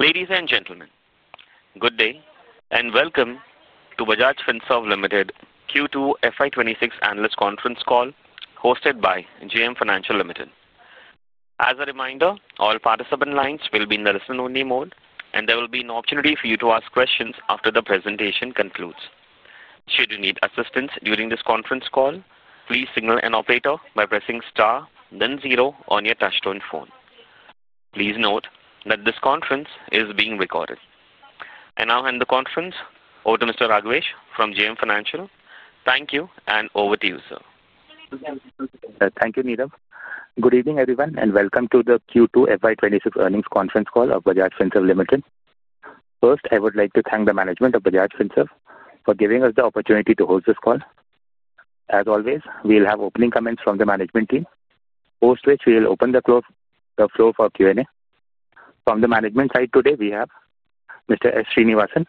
Ladies and gentlemen, good day and welcome to Bajaj Finserv Limited Q2 FY 2026 Analyst Conference Call hosted by JM Financial Limited. As a reminder, all participant lines will be in the listen-only mode, and there will be an opportunity for you to ask questions after the presentation concludes. Should you need assistance during this conference call, please signal an operator by pressing star, then zero on your touch-tone phone. Please note that this conference is being recorded. Now, I hand the conference over to Mr. Raghvesh from JM Financial. Thank you, and over to you, sir. Thank you, Neelam. Good evening, everyone, and welcome to the Q2 FY 2026 earnings conference call of Bajaj Finserv Limited. First, I would like to thank the management of Bajaj Finserv for giving us the opportunity to host this call. As always, we'll have opening comments from the management team, post which we'll open the floor for Q&A. From the management side today, we have Mr. S. Sreenivasan,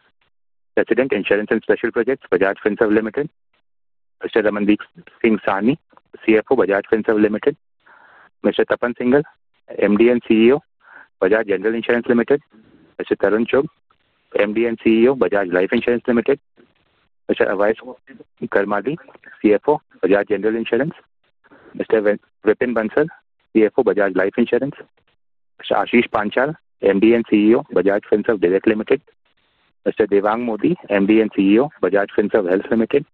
President, Insurance and Special Projects, Bajaj Finserv Limited; Mr. Ramandeep Sahni, CFO, Bajaj Finserv Limited; Mr. Tapan Singhel, MD and CEO, Bajaj General Insurance Limited; Mr. Tarun Chugh, MD and CEO, Bajaj Life Insurance Limited; Mr. Avais Karmali, CFO, Bajaj General Insurance; Mr. Vipin Bansal, CFO, Bajaj Life Insurance; Mr. Ashish Panchal, MD and CEO, Bajaj Finserv Direct Limited; Mr. Devang Mody, MD and CEO, Bajaj Finserv Health Limited;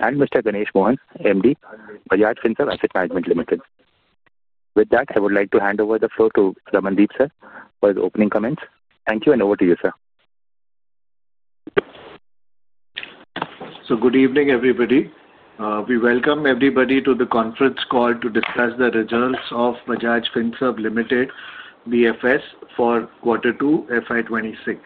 and Mr. Ganesh Mohan, MD, Bajaj Finserv Asset Management Limited. With that, I would like to hand over the floor to Ramandeep, sir, for his opening comments. Thank you, and over to you, sir. Good evening, everybody. We welcome everybody to the conference call to discuss the results of Bajaj Finserv Limited, BFS, for Q2 FY 2026.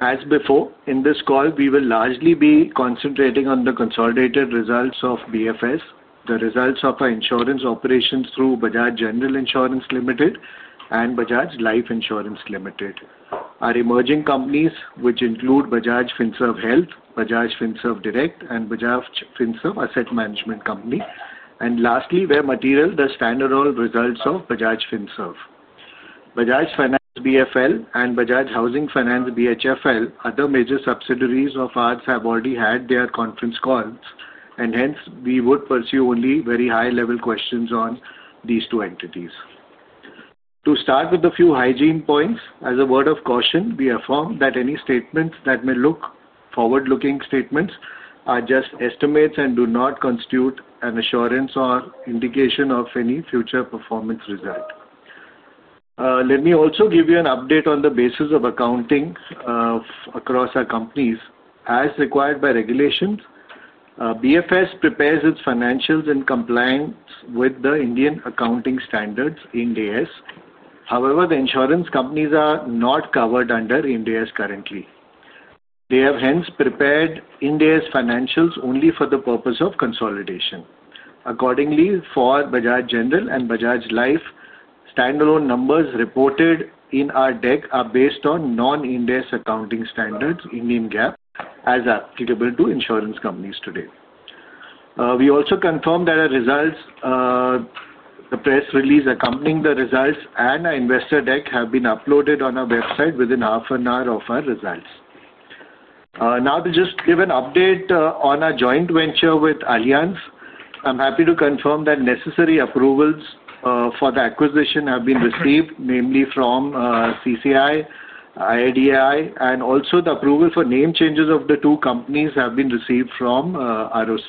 As before, in this call, we will largely be concentrating on the consolidated results of BFS, the results of our insurance operations through Bajaj General Insurance Limited and Bajaj Life Insurance Limited, our emerging companies, which include Bajaj Finserv Health, Bajaj Finserv Direct, and Bajaj Finserv Asset Management Company. Lastly, where material, the stand-alone results of Bajaj Finserv. Bajaj Finance, BFL, and Bajaj Housing Finance, BHFL, other major subsidiaries of ours, have already had their conference calls, and hence, we would pursue only very high-level questions on these two entities. To start with a few hygiene points, as a word of caution, we affirm that any statements that may look forward-looking statements are just estimates and do not constitute an assurance or indication of any future performance result. Let me also give you an update on the basis of accounting across our companies. As required by regulations, Bajaj Finserv prepares its financials in compliance with the Indian accounting standards, IND AS. However, the insurance companies are not covered under IND AS currently. They have hence prepared IND AS financials only for the purpose of consolidation. Accordingly, for Bajaj General and Bajaj Life, stand-alone numbers reported in our deck are based on non-IND AS accounting standards, Indian GAAP, as applicable to insurance companies today. We also confirm that our results, the press release accompanying the results, and our investor deck have been uploaded on our website within half an hour of our results. Now, to just give an update on our joint venture with Allianz, I'm happy to confirm that necessary approvals for the acquisition have been received, namely from CCI, IRDAI, and also the approval for name changes of the two companies have been received from ROC.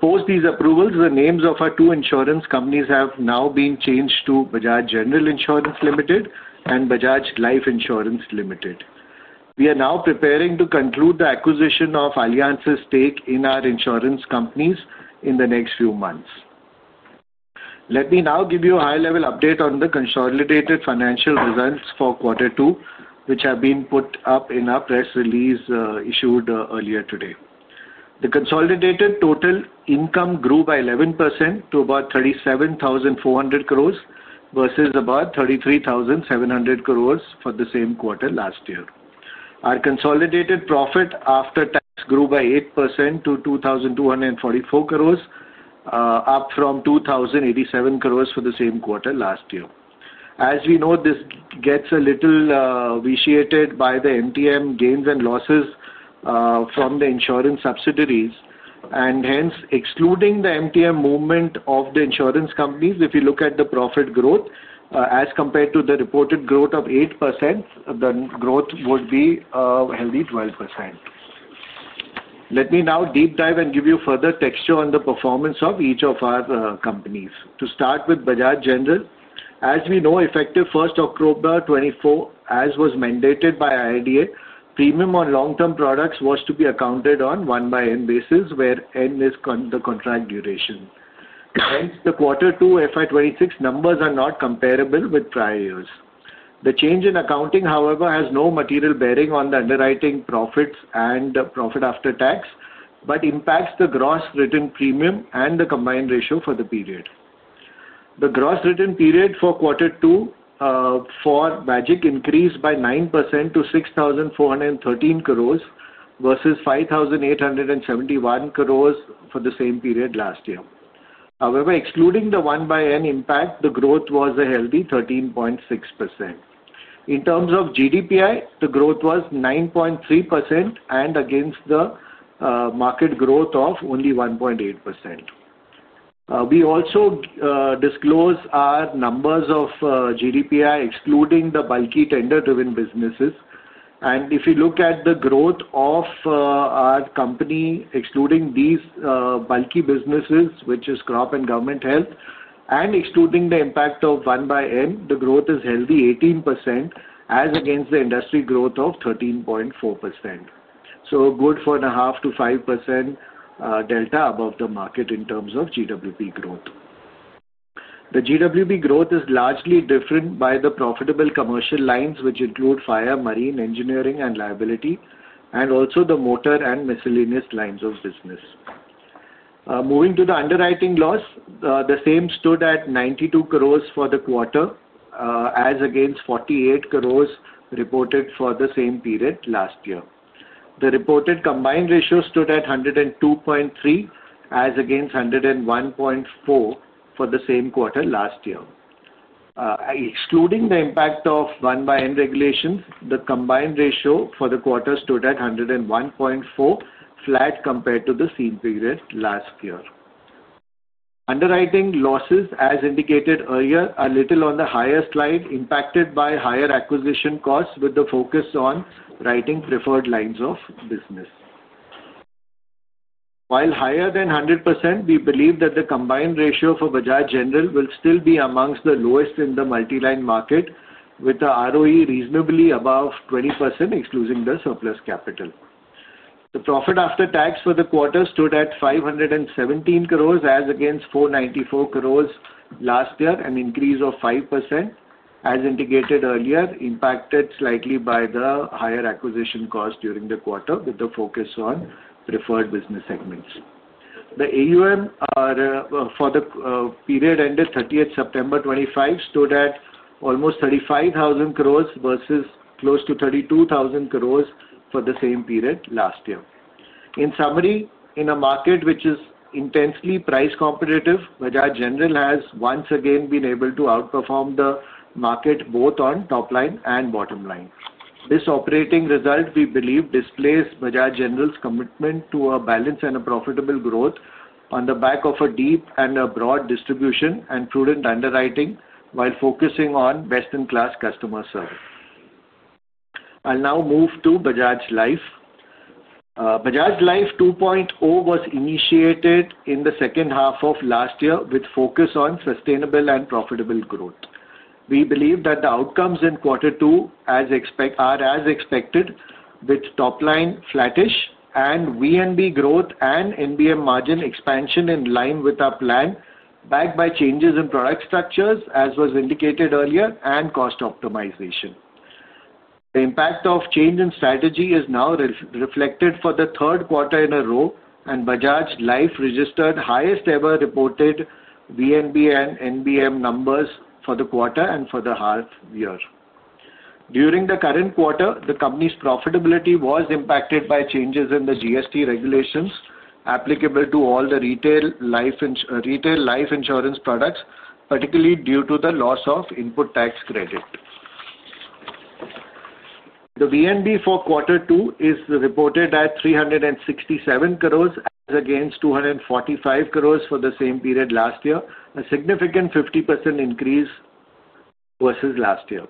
Post these approvals, the names of our two insurance companies have now been changed to Bajaj General Insurance Limited and Bajaj Life Insurance Limited. We are now preparing to conclude the acquisition of Allianz's stake in our insurance companies in the next few months. Let me now give you a high-level update on the consolidated financial results for Q2, which have been put up in a press release issued earlier today. The consolidated total income grew by 11% to about 37,400 crores versus about 33,700 crores for the same quarter last year. Our consolidated profit after tax grew by 8% to 2,244 crore, up from 2,087 crore for the same quarter last year. As we know, this gets a little vitiated by the MTM gains and losses from the insurance subsidiaries, and hence, excluding the MTM movement of the insurance companies, if you look at the profit growth, as compared to the reported growth of 8%, the growth would be a healthy 12%. Let me now deep dive and give you further texture on the performance of each of our companies. To start with Bajaj General, as we know, effective 1st October 2024, as was mandated by IRDAI, premium on long-term products was to be accounted on one-by-end basis, where end is the contract duration. Hence, the Q2 FY 2026 numbers are not comparable with prior years. The change in accounting, however, has no material bearing on the underwriting profits and profit after tax, but impacts the gross written premium and the combined ratio for the period. The gross written premium for Q2 for Bajaj increased by 9% to 6,413 crore versus 5,871 crore for the same period last year. However, excluding the one-off impact, the growth was a healthy 13.6%. In terms of GDPI, the growth was 9.3% and against the market growth of only 1.8%. We also disclose our numbers of GDPI, excluding the bulky tender-driven businesses. If you look at the growth of our company, excluding these bulky businesses, which is Crop and Government Health, and excluding the impact of one-off, the growth is healthy, 18%, as against the industry growth of 13.4%. Good for a half to 5% delta above the market in terms of GWP growth. The GWP growth is largely driven by the profitable commercial lines, which include fire, marine, engineering, and liability, and also the motor and miscellaneous lines of business. Moving to the underwriting loss, the same stood at 92 crore for the quarter, as against 48 crore reported for the same period last year. The reported combined ratio stood at 102.3%, as against 101.4% for the same quarter last year. Excluding the impact of one-by-end regulations, the combined ratio for the quarter stood at 101.4%, flat compared to the same period last year. Underwriting losses, as indicated earlier, are little on the higher side, impacted by higher acquisition costs with the focus on writing preferred lines of business. While higher than 100%, we believe that the combined ratio for Bajaj General will still be amongst the lowest in the multi-line market, with the ROE reasonably above 20%, excluding the surplus capital. The profit after tax for the quarter stood at 517 crore, as against 494 crore last year, an increase of 5%, as indicated earlier, impacted slightly by the higher acquisition cost during the quarter with the focus on preferred business segments. The AUM for the period ended 30th September 2025 stood at almost 35,000 crore versus close to 32,000 crore for the same period last year. In summary, in a market which is intensely price competitive, Bajaj General has once again been able to outperform the market both on top line and bottom line. This operating result, we believe, displays Bajaj General's commitment to a balanced and a profitable growth on the back of a deep and a broad distribution and prudent underwriting while focusing on best-in-class customer service. I'll now move to Bajaj Life. Bajaj Life 2.0 was initiated in the second half of last year with focus on sustainable and profitable growth. We believe that the outcomes in Q2 are as expected, with top line flattish and VNB growth and NBM margin expansion in line with our plan, backed by changes in product structures, as was indicated earlier, and cost optimization. The impact of change in strategy is now reflected for the third quarter in a row, and Bajaj Life registered highest-ever reported VNB and NBM numbers for the quarter and for the half year. During the current quarter, the company's profitability was impacted by changes in the GST regulations applicable to all the retail life insurance products, particularly due to the loss of input tax credit. The VNB for Q2 is reported at 367 crore, as against 245 crore for the same period last year, a significant 50% increase versus last year.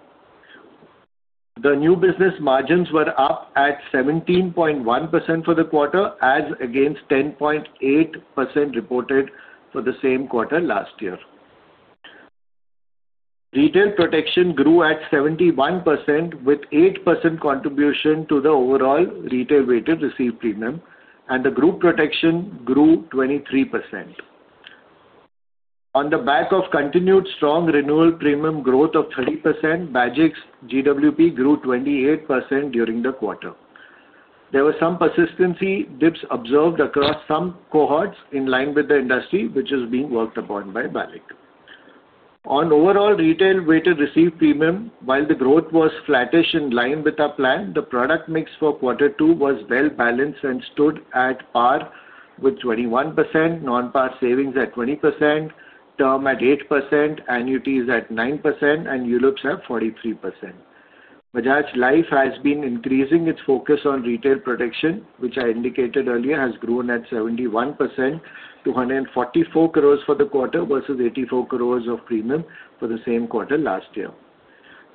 The new business margins were up at 17.1% for the quarter, as against 10.8% reported for the same quarter last year. Retail protection grew at 71% with 8% contribution to the overall retail-weighted receipt premium, and the group protection grew 23%. On the back of continued strong renewal premium growth of 30%, Bajaj's GWP grew 28% during the quarter. There were some persistency dips observed across some cohorts in line with the industry, which is being worked upon by BALIC. On overall retail-weighted receipt premium, while the growth was flattish in line with our plan, the product mix for Q2 was well-balanced and stood at par with 21%, non-par savings at 20%, term at 8%, annuities at 9%, and ULIPs at 43%. Bajaj Life has been increasing its focus on retail protection, which I indicated earlier, has grown at 71% to 1.44 billion for the quarter versus 840 million of premium for the same quarter last year.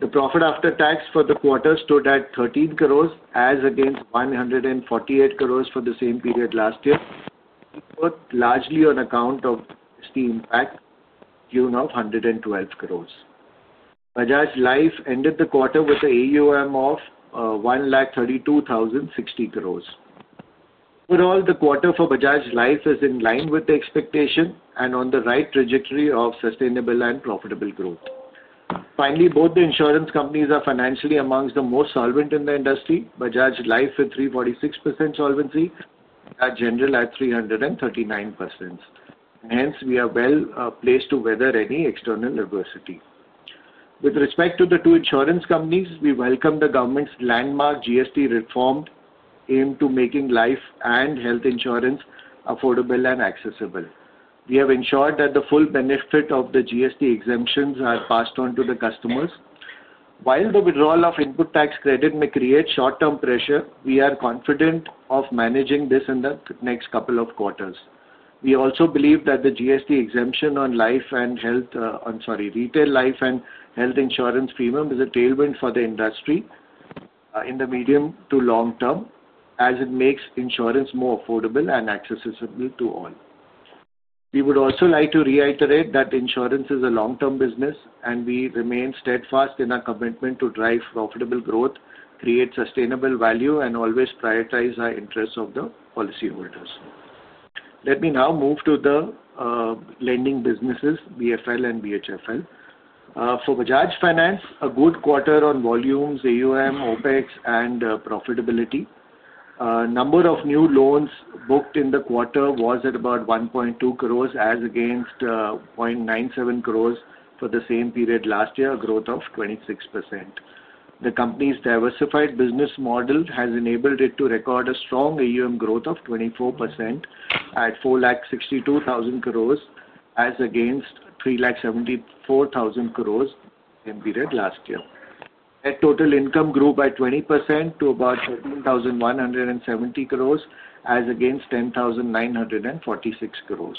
The profit after tax for the quarter stood at 130 million, as against 1.48 billion for the same period last year, largely on account of a steep pack down of 1.12 billion. Bajaj Life ended the quarter with the AUM of 1 lakh 32,060 crore. Overall, the quarter for Bajaj Life is in line with the expectation and on the right trajectory of sustainable and profitable growth. Finally, both the insurance companies are financially amongst the most solvent in the industry. Bajaj Life with 346% solvency, Bajaj General at 339%. Hence, we are well placed to weather any external adversity. With respect to the two insurance companies, we welcome the government's landmark GST reform aimed at making life and health insurance affordable and accessible. We have ensured that the full benefit of the GST exemptions are passed on to the customers. While the withdrawal of input tax credit may create short-term pressure, we are confident of managing this in the next couple of quarters. We also believe that the GST exemption on retail life and health insurance premium is a tailwind for the industry in the medium to long term, as it makes insurance more affordable and accessible to all. We would also like to reiterate that insurance is a long-term business, and we remain steadfast in our commitment to drive profitable growth, create sustainable value, and always prioritize the interests of the policyholders. Let me now move to the lending businesses, BFL and BHFL. For Bajaj Finance, a good quarter on volumes, AUM, OpEx, and profitability. Number of new loans booked in the quarter was at about 1.2 crore, as against 0.97 crore for the same period last year, a growth of 26%. The company's diversified business model has enabled it to record a strong AUM growth of 24% at 462,000 crore, as against 374,000 crore in the same period last year. Net total income grew by 20% to about 13,170 crore, as against 10,946 crore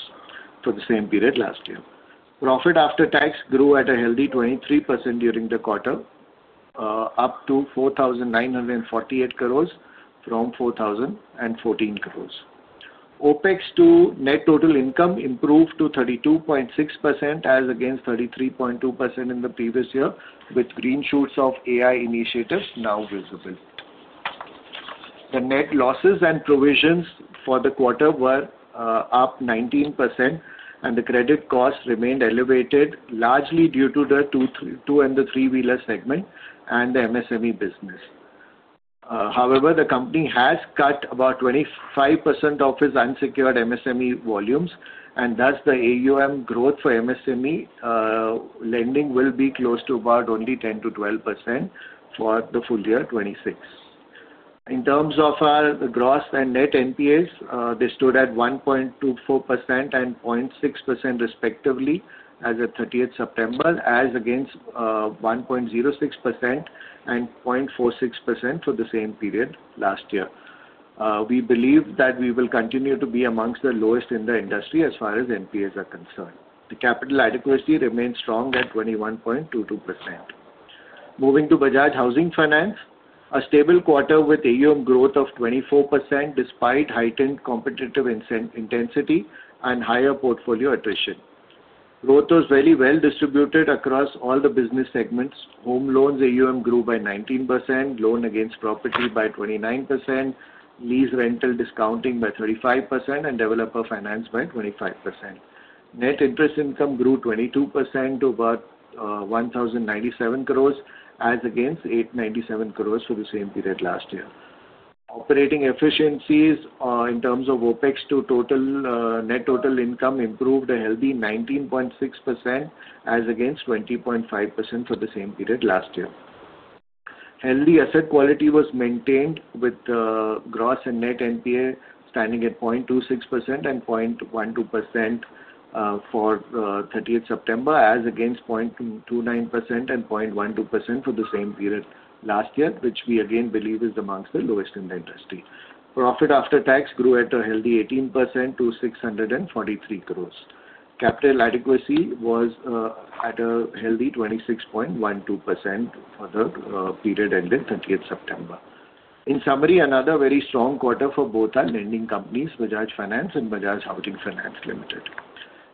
for the same period last year. Profit after tax grew at a healthy 23% during the quarter, up to 4,948 crore from 4,014 crore. OpEx to net total income improved to 32.6%, as against 33.2% in the previous year, with green shoots of AI initiatives now visible. The net losses and provisions for the quarter were up 19%, and the credit costs remained elevated, largely due to the two and the three-wheeler segment and the MSME business. However, the company has cut about 25% of its unsecured MSME volumes, and thus the AUM growth for MSME lending will be close to about only 10%-12% for the full year, 2026. In terms of our gross and net NPAs, they stood at 1.24% and 0.6% respectively as of 30th September, as against 1.06% and 0.46% for the same period last year. We believe that we will continue to be amongst the lowest in the industry as far as NPAs are concerned. The capital adequacy remains strong at 21.22%. Moving to Bajaj Housing Finance, a stable quarter with AUM growth of 24% despite heightened competitive intensity and higher portfolio attrition. Growth was very well distributed across all the business segments. Home loans AUM grew by 19%, loan against property by 29%, lease rental discounting by 35%, and developer finance by 25%. Net interest income grew 22% to about 1,097 crore, as against 897 crore for the same period last year. Operating efficiencies in terms of OpEx to net total income improved to a healthy 19.6%, as against 20.5% for the same period last year. Healthy asset quality was maintained with gross and net NPAs standing at 0.26% and 0.12% for 30th September, as against 0.29% and 0.12% for the same period last year, which we again believe is amongst the lowest in the industry. Profit after tax grew at a healthy 18% to 643 crore. Capital adequacy was at a healthy 26.12% for the period ended 30th September. In summary, another very strong quarter for both our lending companies, Bajaj Finance and Bajaj Housing Finance Limited.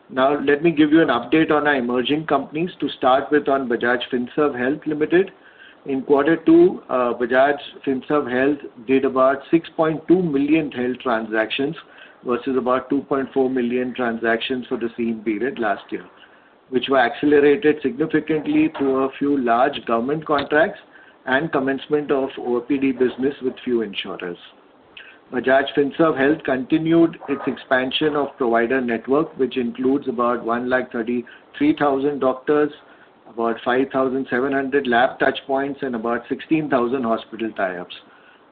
Now, let me give you an update on our emerging companies. To start with, on Bajaj Finserv Health Limited, in quarter two, Bajaj Finserv Health did about 6.2 million health transactions versus about 2.4 million transactions for the same period last year, which were accelerated significantly through a few large government contracts and commencement of OPD business with few insurers. Bajaj Finserv Health continued its expansion of provider network, which includes about 133,000 doctors, about 5,700 lab touchpoints, and about 16,000 hospital tie-ups.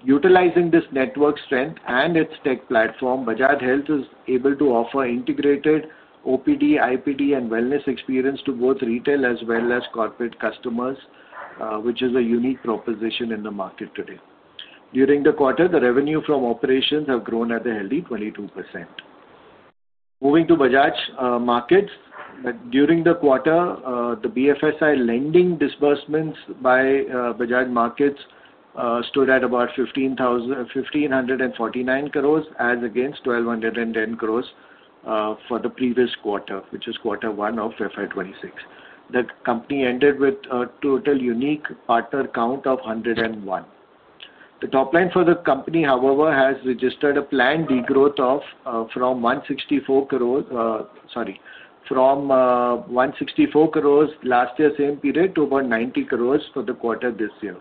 Utilizing this network strength and its tech platform, Bajaj Finserv Health is able to offer integrated OPD, IPD, and wellness experience to both retail as well as corporate customers, which is a unique proposition in the market today. During the quarter, the revenue from operations has grown at a healthy 22%. Moving to Bajaj Markets, during the quarter, the BFSI lending disbursements by Bajaj Markets stood at about 1,549 crore, as against 1,210 crore for the previous quarter, which is quarter one of financial year 2026. The company entered with a total unique partner count of 101. The top line for the company, however, has registered a planned degrowth from 164 crore last year's same period to about 90 crore for the quarter this year,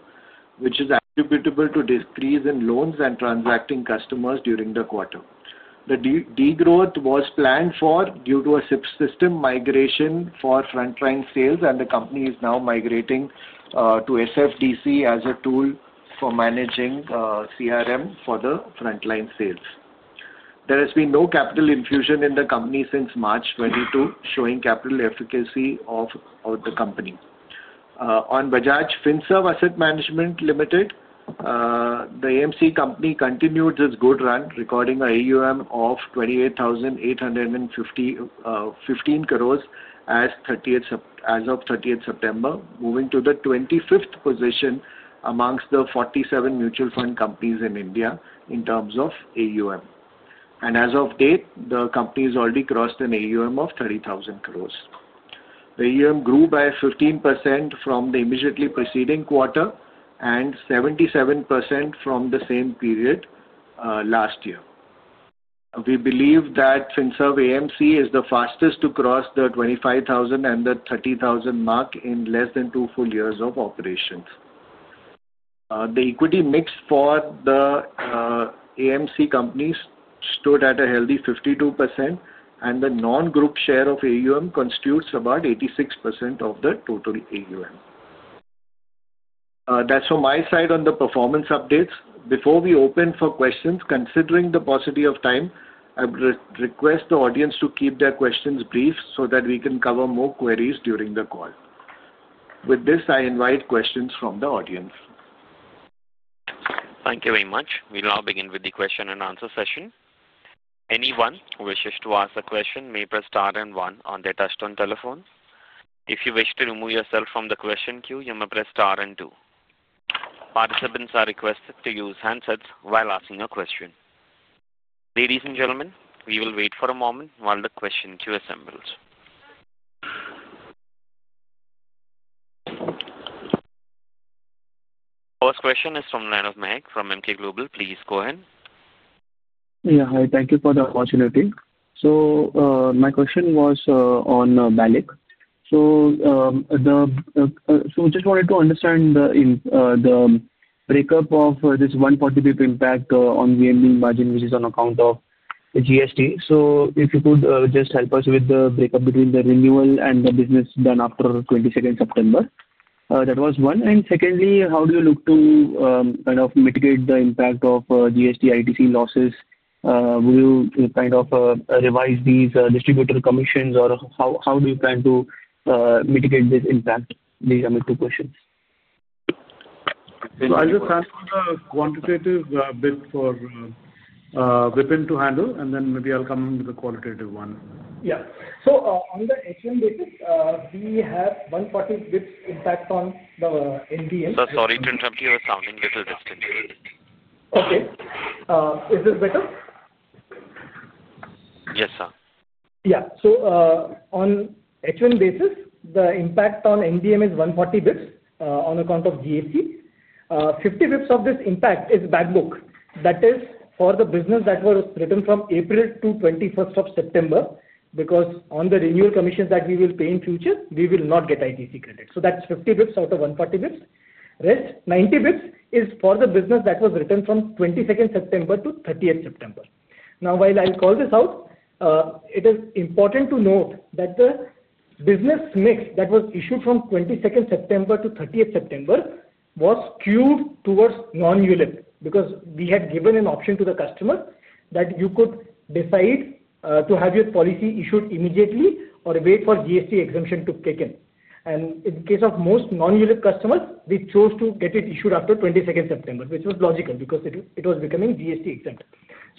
which is attributable to decrease in loans and transacting customers during the quarter. The degrowth was planned due to a system migration for frontline sales, and the company is now migrating to SFDC as a tool for managing CRM for the frontline sales. There has been no capital infusion in the company since March 2022, showing capital efficacy of the company. On Bajaj Finserv Asset Management Limited, the AMC company continued its good run, recording an AUM of 28,815 crores as of 30th September, moving to the 25th position amongst the 47 mutual fund companies in India in terms of AUM. As of date, the company has already crossed an AUM of 30,000 crores. The AUM grew by 15% from the immediately preceding quarter and 77% from the same period last year. We believe that Finserv AMC is the fastest to cross the 25,000 and the 30,000 mark in less than two full years of operations. The equity mix for the AMC companies stood at a healthy 52%, and the non-group share of AUM constitutes about 86% of the total AUM. That is from my side on the performance updates. Before we open for questions, considering the paucity of time, I request the audience to keep their questions brief so that we can cover more queries during the call. With this, I invite questions from the audience. Thank you very much. We'll now begin with the question and answer session. Anyone who wishes to ask a question may press star and one on their touchstone telephone. If you wish to remove yourself from the question queue, you may press star and two. Participants are requested to use handsets while asking a question. Ladies and gentlemen, we will wait for a moment while the question queue assembles. First question is from Mehak Rohra from Emkay Global. Please go ahead. Yeah, hi. Thank you for the opportunity. So my question was on BALIC. We just wanted to understand the breakup of this 140 basis points impact on NBM margin, which is on account of GST. If you could just help us with the breakup between the renewal and the business done after 22nd September, that was one. Secondly, how do you look to kind of mitigate the impact of GST ITC losses? Will you kind of revise these distributor commissions, or how do you plan to mitigate this impact? These are my two questions. I'll just answer the quantitative bit for Vipin to handle, and then maybe I'll come to the qualitative one. Yeah. On the H1 basis, we have 140 basis points impact on the NBM. Sorry, it was sounding a little distant. Okay. Is this better? Yes, sir. Yeah. On H1 basis, the impact on NBM is 140 basis points on account of GST. 50 basis points of this impact is backbook. That is for the business that was written from April to 21st of September, because on the renewal commissions that we will pay in future, we will not get ITC credit. So that is 50 basis points out of 140 basis points. Rest, 90 basis points is for the business that was written from 22nd September-30th September. Now, while I will call this out, it is important to note that the business mix that was issued from 22nd September-30th September was skewed towards non-ULIP because we had given an option to the customer that you could decide to have your policy issued immediately or wait for GST exemption to kick in. In the case of most non-ULIP customers, they chose to get it issued after 22nd September, which was logical because it was becoming GST exempt.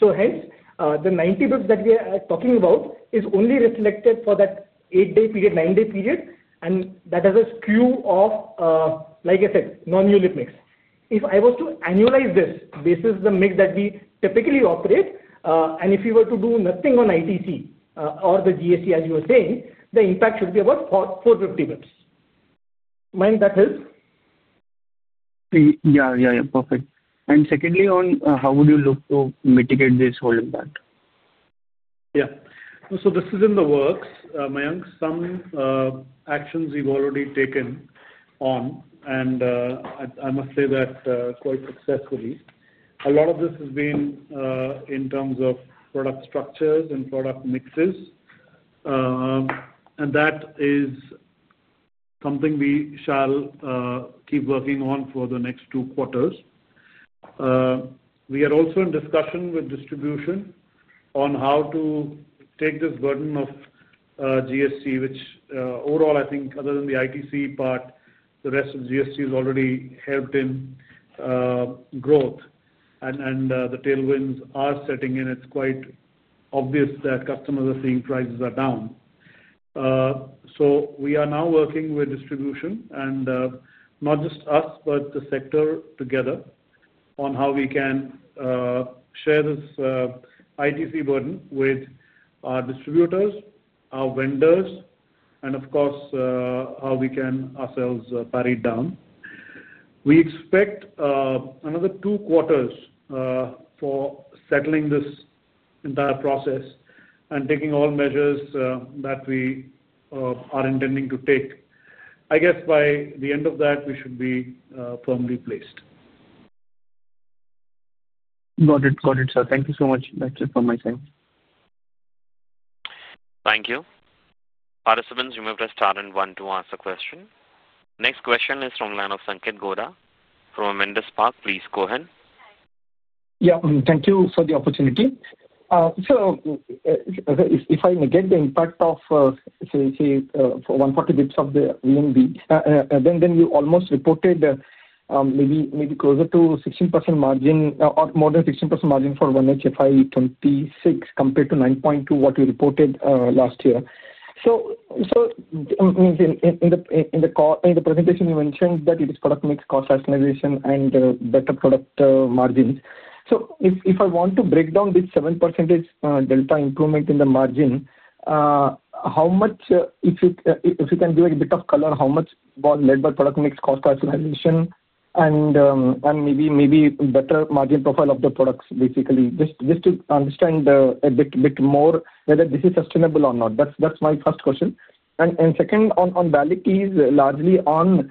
Hence, the 90 basis points that we are talking about is only reflected for that eight-day period, nine-day period, and that has a skew of, like I said, non-ULIP mix. If I was to annualize this, this is the mix that we typically operate, and if you were to do nothing on ITC or the GST, as you were saying, the impact should be about 450 basis points. Mehak, that helps? Yeah, yeah, yeah. Perfect. Secondly, on how would you look to mitigate this whole impact? Yeah. This is in the works. Mehak, some actions we have already taken on, and I must say that quite successfully. A lot of this has been in terms of product structures and product mixes, and that is something we shall keep working on for the next two quarters. We are also in discussion with distribution on how to take this burden of GST, which overall, I think, other than the ITC part, the rest of GST has already helped in growth, and the tailwinds are setting in. It is quite obvious that customers are seeing prices are down. We are now working with distribution, and not just us, but the sector together on how we can share this ITC burden with our distributors, our vendors, and of course, how we can ourselves parry it down. We expect another two quarters for settling this entire process and taking all measures that we are intending to take. I guess by the end of that, we should be firmly placed. Got it. Got it, sir. Thank you so much, Bajaj, for my time. Thank you. Participants, you may press star and one to ask a question. Next question is from the line of Sanketh Godha from Avendus Spark. Please go ahead. Yeah. Thank you for the opportunity. So if I may get the impact of, say, 140 basis points of the VNB, then you almost reported maybe closer to 16% margin or more than 16% margin for 1HFY 2026 compared to 9.2%, what you reported last year. In the presentation, you mentioned that it is product mix, cost rationalization, and better product margins. If I want to break down this 7% delta improvement in the margin, if you can give a bit of color, how much was led by product mix, cost rationalization, and maybe better margin profile of the products, basically, just to understand a bit more whether this is sustainable or not. That's my first question. Second, on BALIC, it is largely on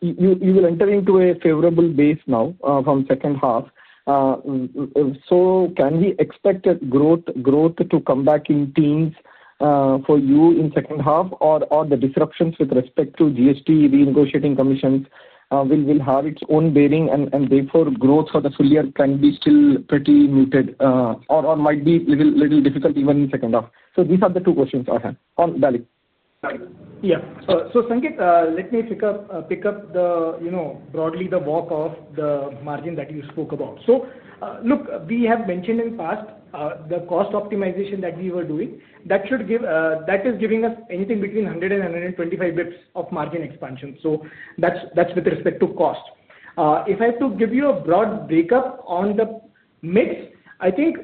you will enter into a favorable base now from second half. Can we expect growth to come back in teens for you in the second half, or will the disruptions with respect to GST renegotiating commissions have their own bearing, and therefore, growth for the full year can still be pretty muted or might be a little difficult even in the second half? These are the two questions I have. On BALIC. Yeah. Sanketh, let me pick up broadly the walk of the margin that you spoke about. Look, we have mentioned in the past the cost optimization that we were doing. That is giving us anything between 100-125 basis points of margin expansion. That is with respect to cost. If I have to give you a broad breakup on the mix, I think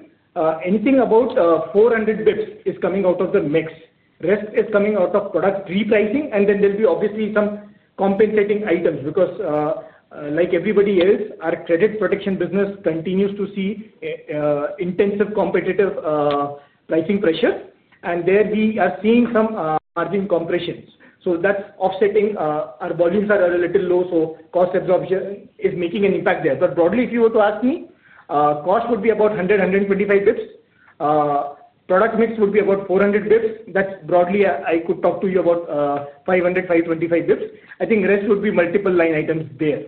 anything about 400 basis points is coming out of the mix. Rest is coming out of product repricing, and then there'll be obviously some compensating items because, like everybody else, our credit protection business continues to see intensive competitive pricing pressure, and there we are seeing some margin compressions. That is offsetting. Our volumes are a little low, so cost absorption is making an impact there. Broadly, if you were to ask me, cost would be about 100-125 basis points. Product mix would be about 400 basis points. That is broadly, I could talk to you about 500-525 basis points. I think rest would be multiple line items there.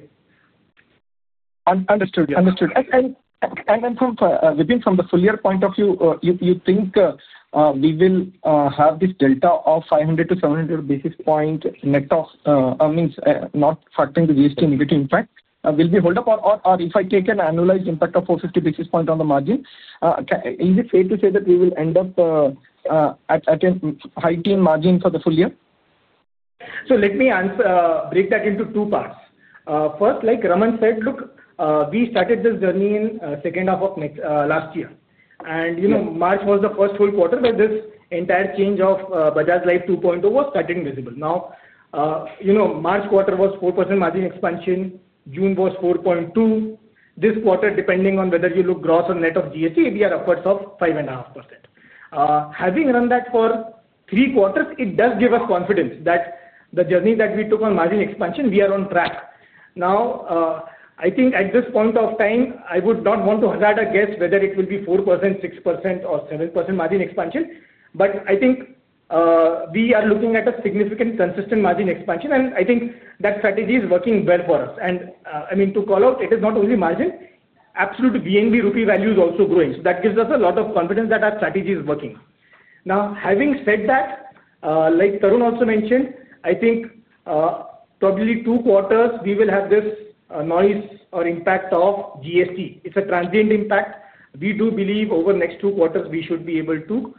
Understood. Understood. Vipin, from the full year point of view, you think we will have this delta of 500-700 basis point net of earnings, not factoring the GST negative impact, will be hold up, or if I take an annualized impact of 450 basis point on the margin, is it safe to say that we will end up at a high-teen margin for the full year? Let me break that into two parts. First, like Ramandeep said, look, we started this journey in the second half of last year, and March was the first full quarter where this entire change of Bajaj Life 2.0 was starting visible. March quarter was 4% margin expansion. June was 4.2%. This quarter, depending on whether you look gross or net of GST, we are upwards of 5.5%. Having run that for three quarters, it does give us confidence that the journey that we took on margin expansion, we are on track. Now, I think at this point of time, I would not want to hazard a guess whether it will be 4%, 6%, or 7% margin expansion, but I think we are looking at a significant consistent margin expansion, and I think that strategy is working well for us. I mean, to call out, it is not only margin. Absolute VNB value is also growing. That gives us a lot of confidence that our strategy is working. Now, having said that, like Tarun also mentioned, I think probably two quarters, we will have this noise or impact of GST. It is a transient impact. We do believe over the next two quarters, we should be able to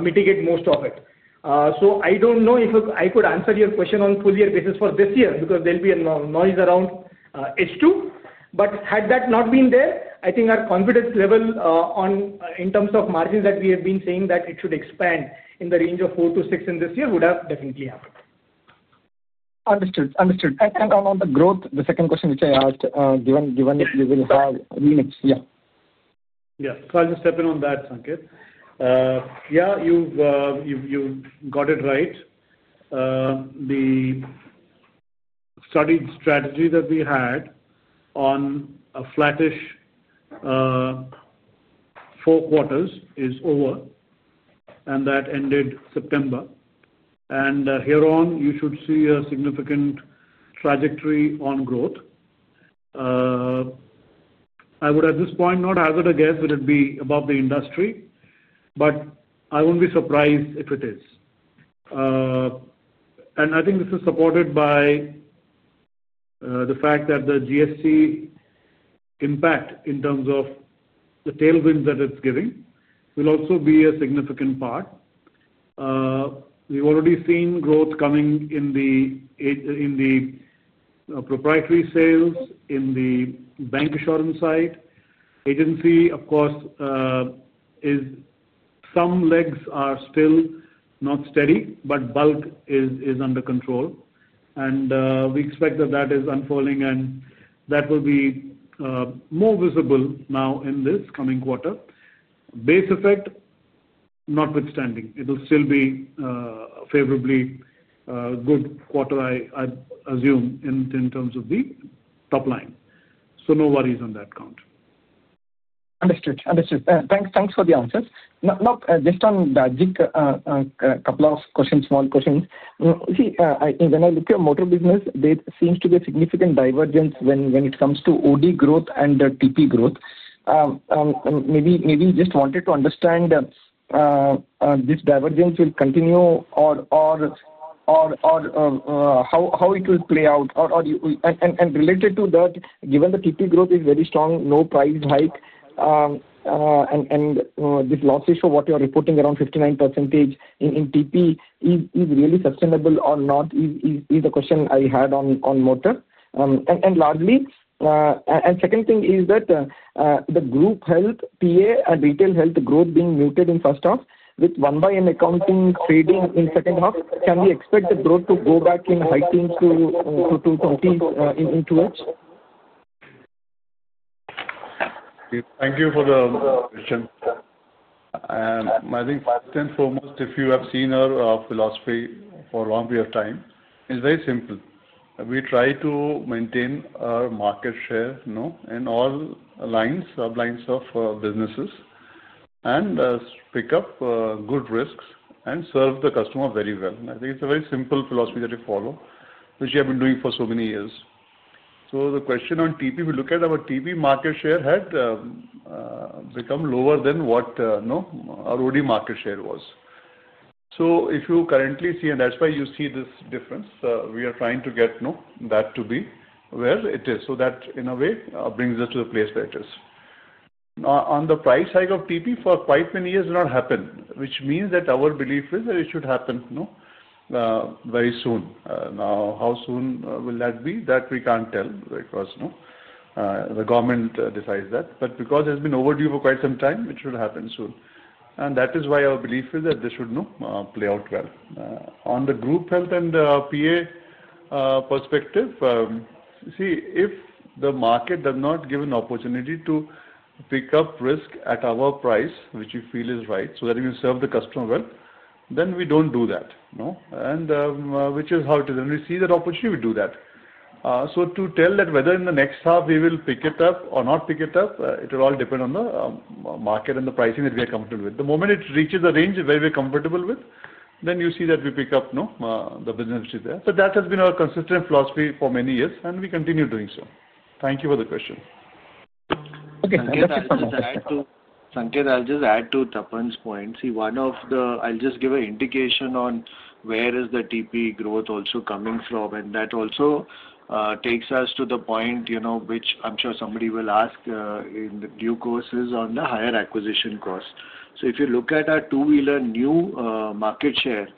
mitigate most of it. I do not know if I could answer your question on full year basis for this year because there will be a noise around H2. Had that not been there, I think our confidence level in terms of margins that we have been saying that it should expand in the range of 4%-6% in this year would have definitely happened. Understood. Understood. On the growth, the second question which I asked, given we will have VMIPS, yeah. Yeah. I will just step in on that, Sanketh. Yeah, you have got it right. The studied strategy that we had on a flattish four quarters is over, and that ended September. Here on, you should see a significant trajectory on growth. I would, at this point, not hazard a guess, but it would be above the industry, but I would not be surprised if it is. I think this is supported by the fact that the GST impact in terms of the tailwinds that it's giving will also be a significant part. We've already seen growth coming in the proprietary sales, in the bank assurance side. Agency, of course, some legs are still not steady, but bulk is under control. We expect that that is unfolding, and that will be more visible now in this coming quarter. Base effect, notwithstanding, it'll still be a favorably good quarter, I assume, in terms of the top line. No worries on that count. Understood. Understood. Thanks for the answers. Now, just on Bajaj, a couple of questions, small questions. See, when I look at motor business, there seems to be a significant divergence when it comes to OD growth and TP growth. Maybe you just wanted to understand this divergence will continue or how it will play out. Related to that, given the TP growth is very strong, no price hike, and this loss ratio, what you are reporting around 59% in TP is really sustainable or not is the question I had on motor. Second thing is that the group health, PA and retail health growth being muted in first half, with one by an accounting trading in second half, can we expect the growth to go back in high teens to 20s in two weeks? Thank you for the question. I think first and foremost, if you have seen our philosophy for a long period of time, it is very simple. We try to maintain our market share in all lines of businesses and pick up good risks and serve the customer very well. I think it's a very simple philosophy that we follow, which we have been doing for so many years. The question on TP, we look at our TP market share had become lower than what our OD market share was. If you currently see, and that's why you see this difference, we are trying to get that to be where it is. That, in a way, brings us to the place where it is. On the price hike of TP, for quite many years, it did not happen, which means that our belief is that it should happen very soon. Now, how soon will that be? That we can't tell because the government decides that. Because it's been overdue for quite some time, it should happen soon. That is why our belief is that this should play out well. On the group health and PA perspective, see, if the market does not give an opportunity to pick up risk at our price, which we feel is right, so that we will serve the customer well, then we do not do that, which is how it is. When we see that opportunity, we do that. To tell that whether in the next half we will pick it up or not pick it up, it will all depend on the market and the pricing that we are comfortable with. The moment it reaches the range where we are comfortable with, then you see that we pick up the business which is there. That has been our consistent philosophy for many years, and we continue doing so. Thank you for the question. Okay. Sanketh, I will just add to Tapan's point. See, I'll just give an indication on where the TP growth is also coming from, and that also takes us to the point which I'm sure somebody will ask in due course on the higher acquisition cost. If you look at our two-wheeler new market share,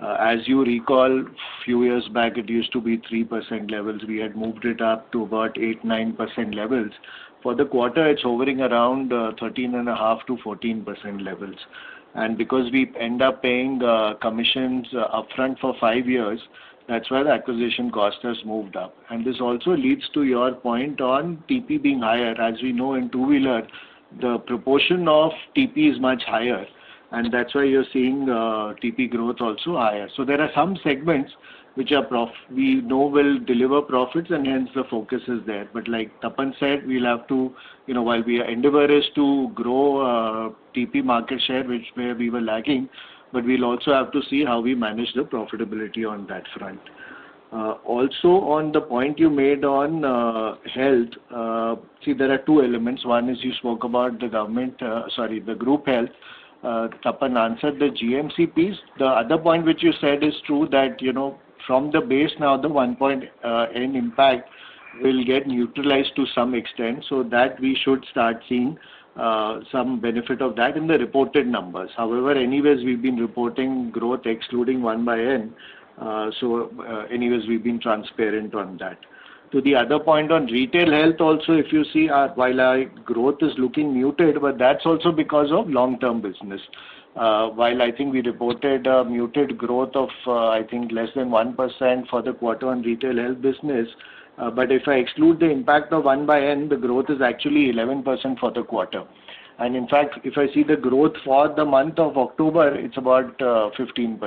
as you recall, a few years back, it used to be at 3% levels. We had moved it up to about 8%-9% levels. For the quarter, it's hovering around 13.5%-14% levels. Because we end up paying commissions upfront for five years, that's why the acquisition cost has moved up. This also leads to your point on TP being higher. As we know, in two-wheeler, the proportion of TP is much higher, and that's why you're seeing TP growth also higher. There are some segments which we know will deliver profits, and hence the focus is there. Like Tapan said, we will have to, while we are endeavoring to grow TP market share, where we were lagging, we will also have to see how we manage the profitability on that front. Also, on the point you made on health, see, there are two elements. One is you spoke about the government, sorry, the group health. Tapan answered the GMCPs. The other point which you said is true that from the base, now the 1.8 impact will get neutralized to some extent, so that we should start seeing some benefit of that in the reported numbers. However, anyways, we have been reporting growth excluding 1 by N, so anyways, we have been transparent on that. To the other point on retail health, also, if you see, while our growth is looking muted, but that's also because of long-term business. While I think we reported muted growth of, I think, less than 1% for the quarter on retail health business, but if I exclude the impact of 1 by N, the growth is actually 11% for the quarter. In fact, if I see the growth for the month of October, it's about 15%.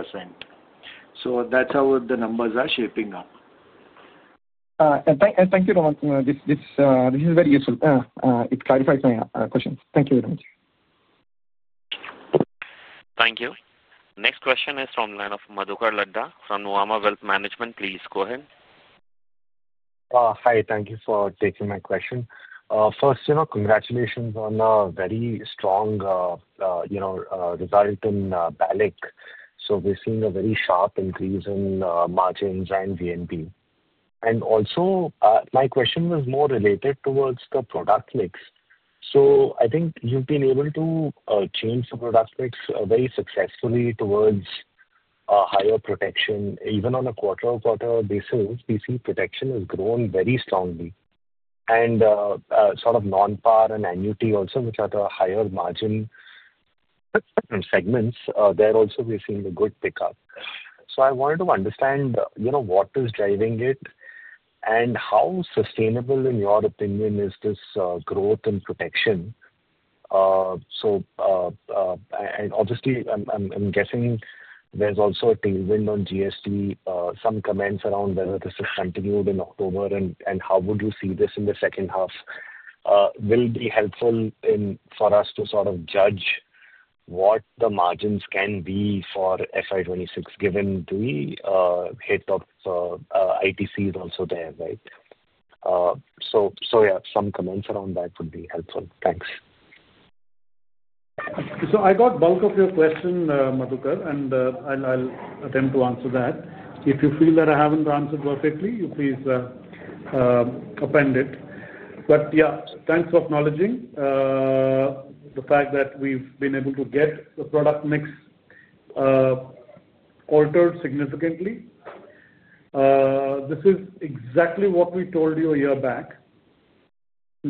That's how the numbers are shaping up. Thank you, Ramandeep. This is very useful. It clarifies my question. Thank you very much. Thank you. Next question is from Madhukar Ladha from Nuvama Wealth Management. Please go ahead. Hi. Thank you for taking my question. First, congratulations on a very strong result in BALIC. We're seeing a very sharp increase in margins and VNB. My question was more related towards the product mix. I think you've been able to change the product mix very successfully towards higher protection. Even on a quarter-on-quarter basis, we see protection has grown very strongly. And sort of non-PAR and annuity also, which are the higher margin segments, there also we're seeing a good pickup. I wanted to understand what is driving it and how sustainable, in your opinion, is this growth and protection. Obviously, I'm guessing there's also a tailwind on GST. Some comments around whether this has continued in October and how you would see this in the second half will be helpful for us to sort of judge what the margins can be for FY 2026 given the hit of ITC is also there, right? Some comments around that would be helpful. Thanks. I got bulk of your question, Madhukar, and I'll attempt to answer that. If you feel that I haven't answered perfectly, you please append it. Thanks for acknowledging the fact that we've been able to get the product mix altered significantly. This is exactly what we told you a year back.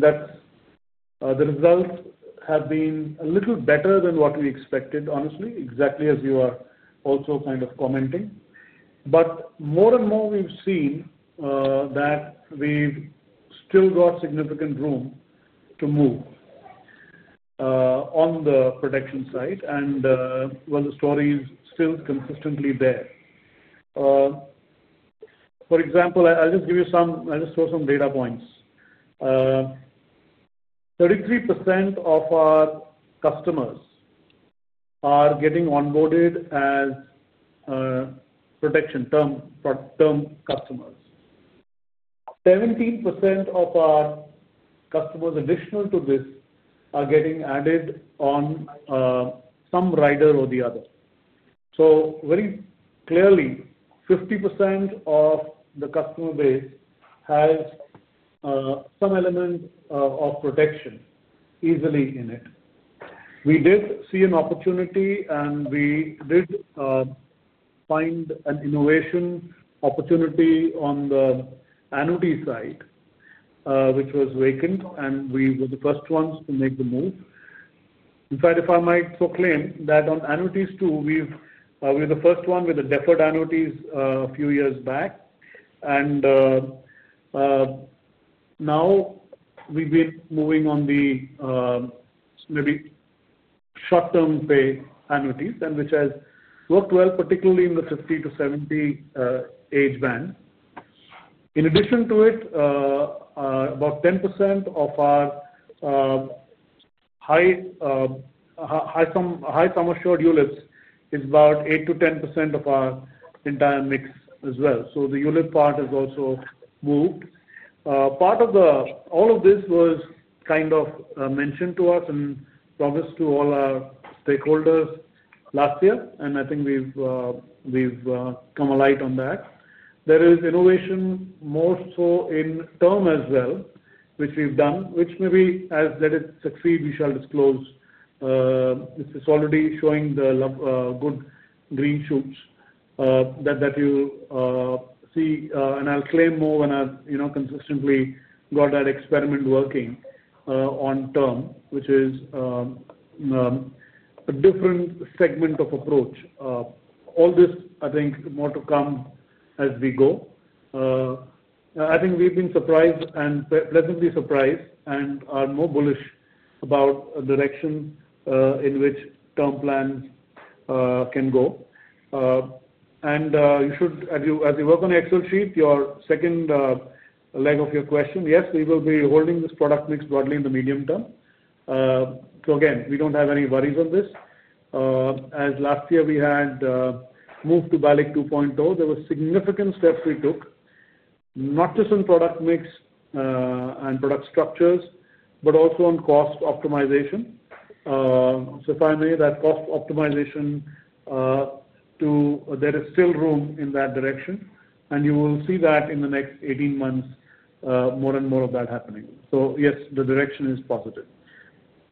The results have been a little better than what we expected, honestly, exactly as you are also kind of commenting. More and more, we've seen that we've still got significant room to move on the production side, and the story is still consistently there. For example, I'll just give you some, I'll just throw some data points. 33% of our customers are getting onboarded as protection term customers. 17% of our customers additional to this are getting added on some rider or the other. Very clearly, 50% of the customer base has some element of protection easily in it. We did see an opportunity, and we did find an innovation opportunity on the annuity side, which was vacant, and we were the first ones to make the move. In fact, if I might so claim that on annuities too, we were the first one with the deferred annuities a few years back. Now we've been moving on the maybe short-term pay annuities, which has worked well, particularly in the 50-70 age band. In addition to it, about 10% of our high-assured units is about 8%-10% of our entire mix as well. The unit part has also moved. All of this was kind of mentioned to us and promised to all our stakeholders last year, and I think we've come alight on that. There is innovation more so in term as well, which we've done, which maybe, as let it succeed, we shall disclose. This is already showing the good green shoots that you see, and I'll claim more when I've consistently got that experiment working on term, which is a different segment of approach. All this, I think, more to come as we go. I think we've been surprised and pleasantly surprised and are more bullish about the direction in which term plans can go. As you work on the Excel sheet, your second leg of your question, yes, we will be holding this product mix broadly in the medium term. Again, we don't have any worries on this. As last year, we had moved to BALIC 2.0, there were significant steps we took, not just on product mix and product structures, but also on cost optimization. If I may, that cost optimization, there is still room in that direction, and you will see that in the next 18 months, more and more of that happening. Yes, the direction is positive.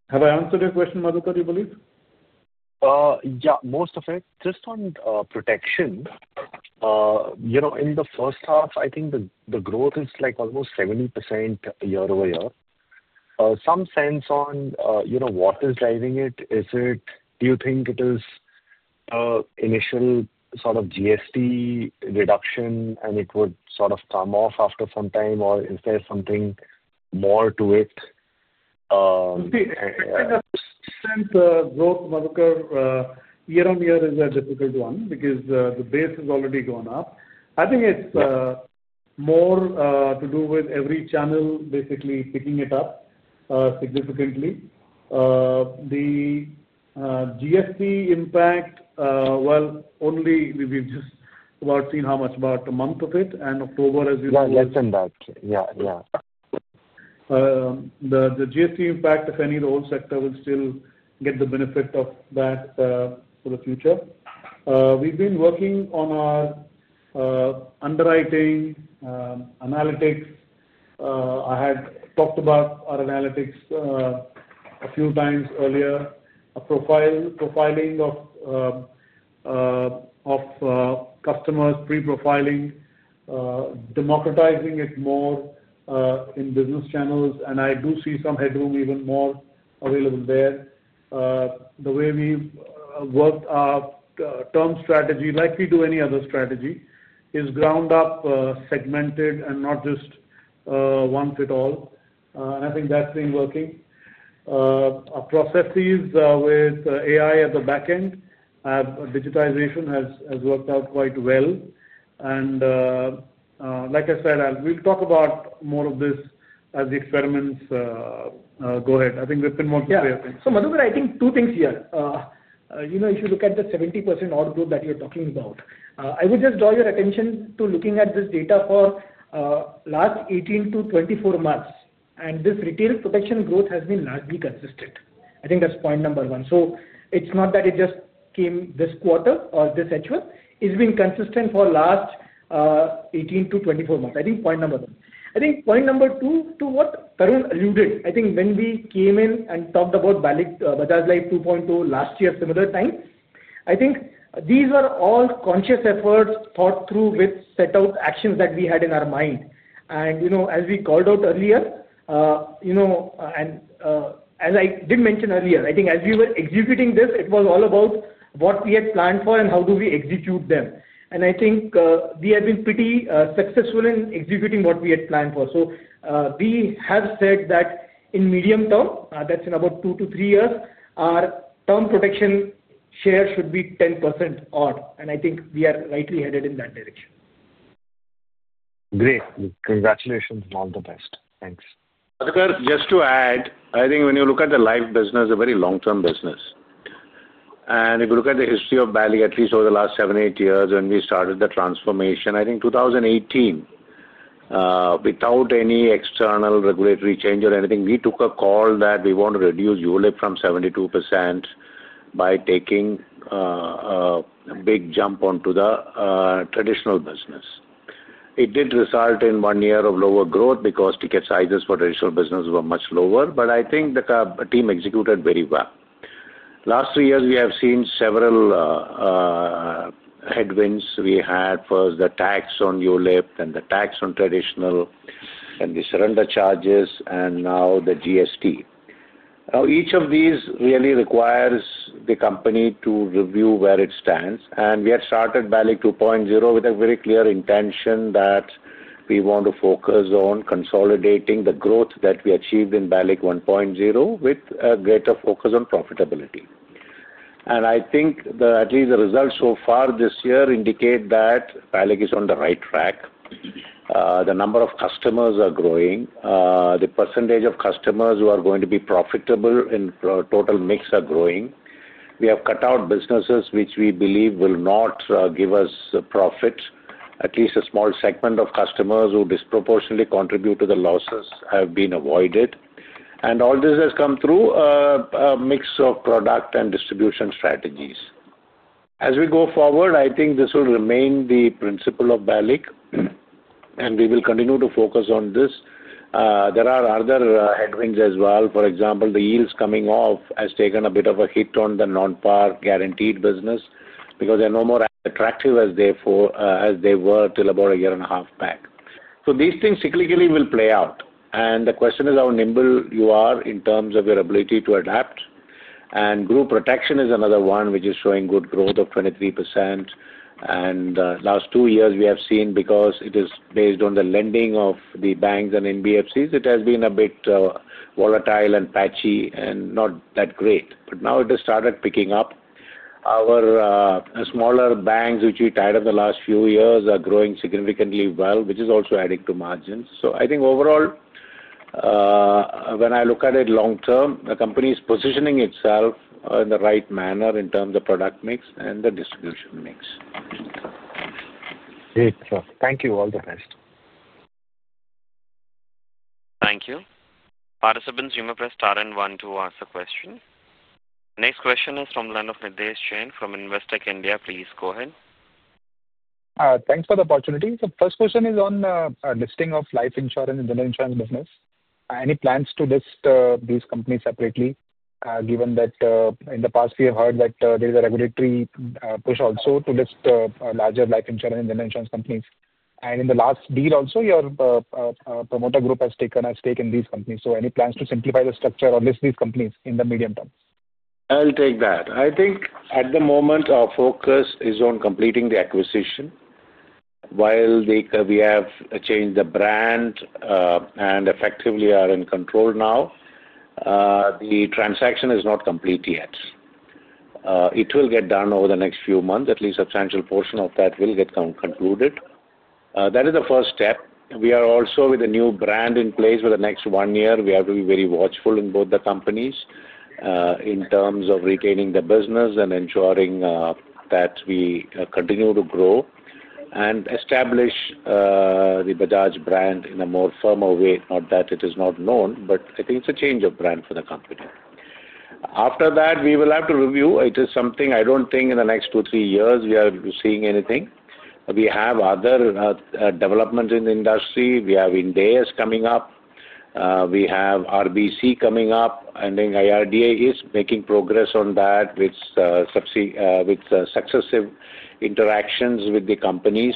Have I answered your question, Madhukar, you believe? Yeah, most of it. Just on protection, in the first half, I think the growth is almost 70% year-over-year. Some sense on what is driving it? Do you think it is initial sort of GST reduction, and it would sort of come off after some time, or is there something more to it? I think in a growth, Madhukar, year-on-year is a difficult one because the base has already gone up. I think it's more to do with every channel basically picking it up significantly. The GST impact, only we've just about seen how much, about a month of it, and October as you said. Yeah, less than that. Yeah, yeah. The GST impact, if any, the whole sector will still get the benefit of that for the future. We've been working on our underwriting analytics. I had talked about our analytics a few times earlier, profiling of customers, pre-profiling, democratizing it more in business channels, and I do see some headroom even more available there. The way we worked our term strategy, like we do any other strategy, is ground up, segmented, and not just one fit all. I think that's been working. Our processes with AI at the back end, digitization has worked out quite well. Like I said, we'll talk about more of this as the experiments go ahead. I think we've been working very effectively. Yeah. Madhukar, I think two things here. If you look at the 70% output that you're talking about, I would just draw your attention to looking at this data for the last 18 to 24 months, and this retail protection growth has been largely consistent. I think that's point number one. It's not that it just came this quarter or this actual. It's been consistent for the last 18 to 24 months. I think point number one. Point number two, to what Tarun alluded, when we came in and talked about BALIC, Bajaj Life 2.0 last year, similar time, these were all conscious efforts, thought through with set-out actions that we had in our mind. As we called out earlier, and as I did mention earlier, I think as we were executing this, it was all about what we had planned for and how do we execute them. I think we have been pretty successful in executing what we had planned for. We have said that in medium term, that is in about two to three years, our term protection share should be 10% odd. I think we are rightly headed in that direction. Great. Congratulations and all the best. Thanks. Madhukar, just to add, I think when you look at the life business, a very long-term business. If you look at the history of BALIC, at least over the last seven or eight years when we started the transformation, I think 2018, without any external regulatory change or anything, we took a call that we want to reduce unit from 72% by taking a big jump onto the traditional business. It did result in one year of lower growth because ticket sizes for traditional business were much lower, but I think the team executed very well. The last three years, we have seen several headwinds. We had first the tax on unit and the tax on traditional and the surrender charges, and now the GST. Each of these really requires the company to review where it stands. We have started BALIC 2.0 with a very clear intention that we want to focus on consolidating the growth that we achieved in BALIC 1.0 with a greater focus on profitability. I think at least the results so far this year indicate that BALIC is on the right track. The number of customers are growing. The percentage of customers who are going to be profitable in total mix are growing. We have cut out businesses which we believe will not give us profit. At least a small segment of customers who disproportionately contribute to the losses have been avoided. All this has come through a mix of product and distribution strategies. As we go forward, I think this will remain the principle of BALIC, and we will continue to focus on this. There are other headwinds as well. For example, the yields coming off has taken a bit of a hit on the non-PAR guaranteed business because they're no more as attractive as they were till about a year and a half back. These things cyclically will play out. The question is how nimble you are in terms of your ability to adapt. Group protection is another one which is showing good growth of 23%. In the last two years, we have seen because it is based on the lending of the banks and NBFCs, it has been a bit volatile and patchy and not that great. Now it has started picking up. Our smaller banks, which we tied up the last few years, are growing significantly well, which is also adding to margins. So I think overall, when I look at it long term, the company is positioning itself in the right manner in terms of product mix and the distribution mix. Great. Thank you. All the best. Thank you. Participants, you may press star and one to ask a question. Next question is from the line of Nidhesh Jain from Investec India. Please go ahead. Thanks for the opportunity. First question is on listing of life insurance and general insurance business. Any plans to list these companies separately given that in the past we have heard that there is a regulatory push also to list larger life insurance and general insurance companies? In the last deal also, your promoter group has taken a stake in these companies. Any plans to simplify the structure or list these companies in the medium term? I'll take that. I think at the moment, our focus is on completing the acquisition while we have changed the brand and effectively are in control now. The transaction is not complete yet. It will get done over the next few months. At least a substantial portion of that will get concluded. That is the first step. We are also with a new brand in place for the next one year. We have to be very watchful in both the companies in terms of retaining the business and ensuring that we continue to grow and establish the Bajaj brand in a more firmer way. Not that it is not known, but I think it's a change of brand for the company. After that, we will have to review. It is something I don't think in the next two, three years we are seeing anything. We have other developments in the industry. We have Ind AS coming up. We have RBC coming up, and IRDAI is making progress on that with successive interactions with the companies.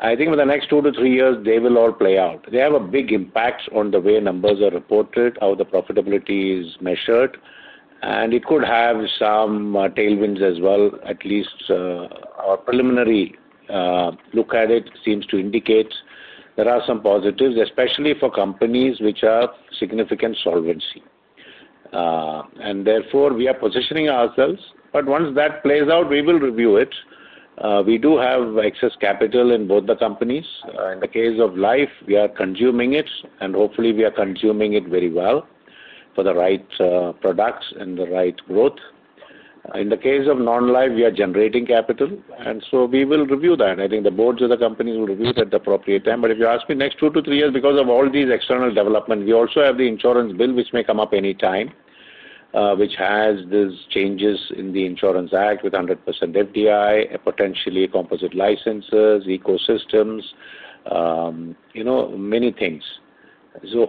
I think in the next two to three years, they will all play out. They have a big impact on the way numbers are reported, how the profitability is measured, and it could have some tailwinds as well. At least our preliminary look at it seems to indicate there are some positives, especially for companies which have significant solvency. Therefore, we are positioning ourselves. Once that plays out, we will review it. We do have excess capital in both the companies. In the case of life, we are consuming it, and hopefully, we are consuming it very well for the right products and the right growth. In the case of non-life, we are generating capital. We will review that. I think the boards of the companies will review it at the appropriate time. If you ask me, next two to three years, because of all these external developments, we also have the insurance bill, which may come up anytime, which has these changes in the insurance act with 100% FDI, potentially composite licenses, ecosystems, many things.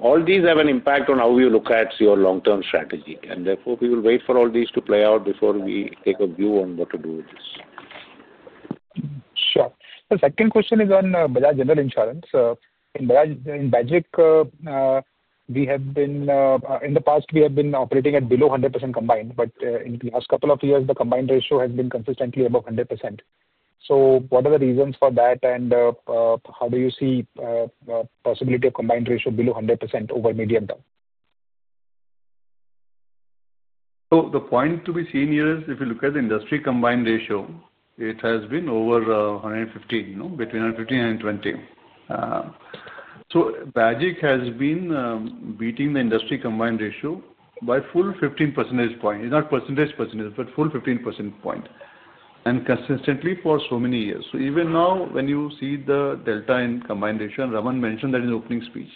All these have an impact on how we look at your long-term strategy. Therefore, we will wait for all these to play out before we take a view on what to do with this. Sure. The second question is on Bajaj General Insurance. In Bajaj, we have been in the past, we have been operating at below 100% combined, but in the last couple of years, the combined ratio has been consistently above 100%. What are the reasons for that, and how do you see the possibility of combined ratio below 100% over the medium term? The point to be seen here is if you look at the industry combined ratio, it has been over 115%, between 115% and 120%. Bajaj has been beating the industry combined ratio by a full 15 percentage points. It is not percentage percentage, but a full 15 percentage points, and consistently for so many years. Even now, when you see the delta in combined ratio, and Ramandeep mentioned that in the opening speech,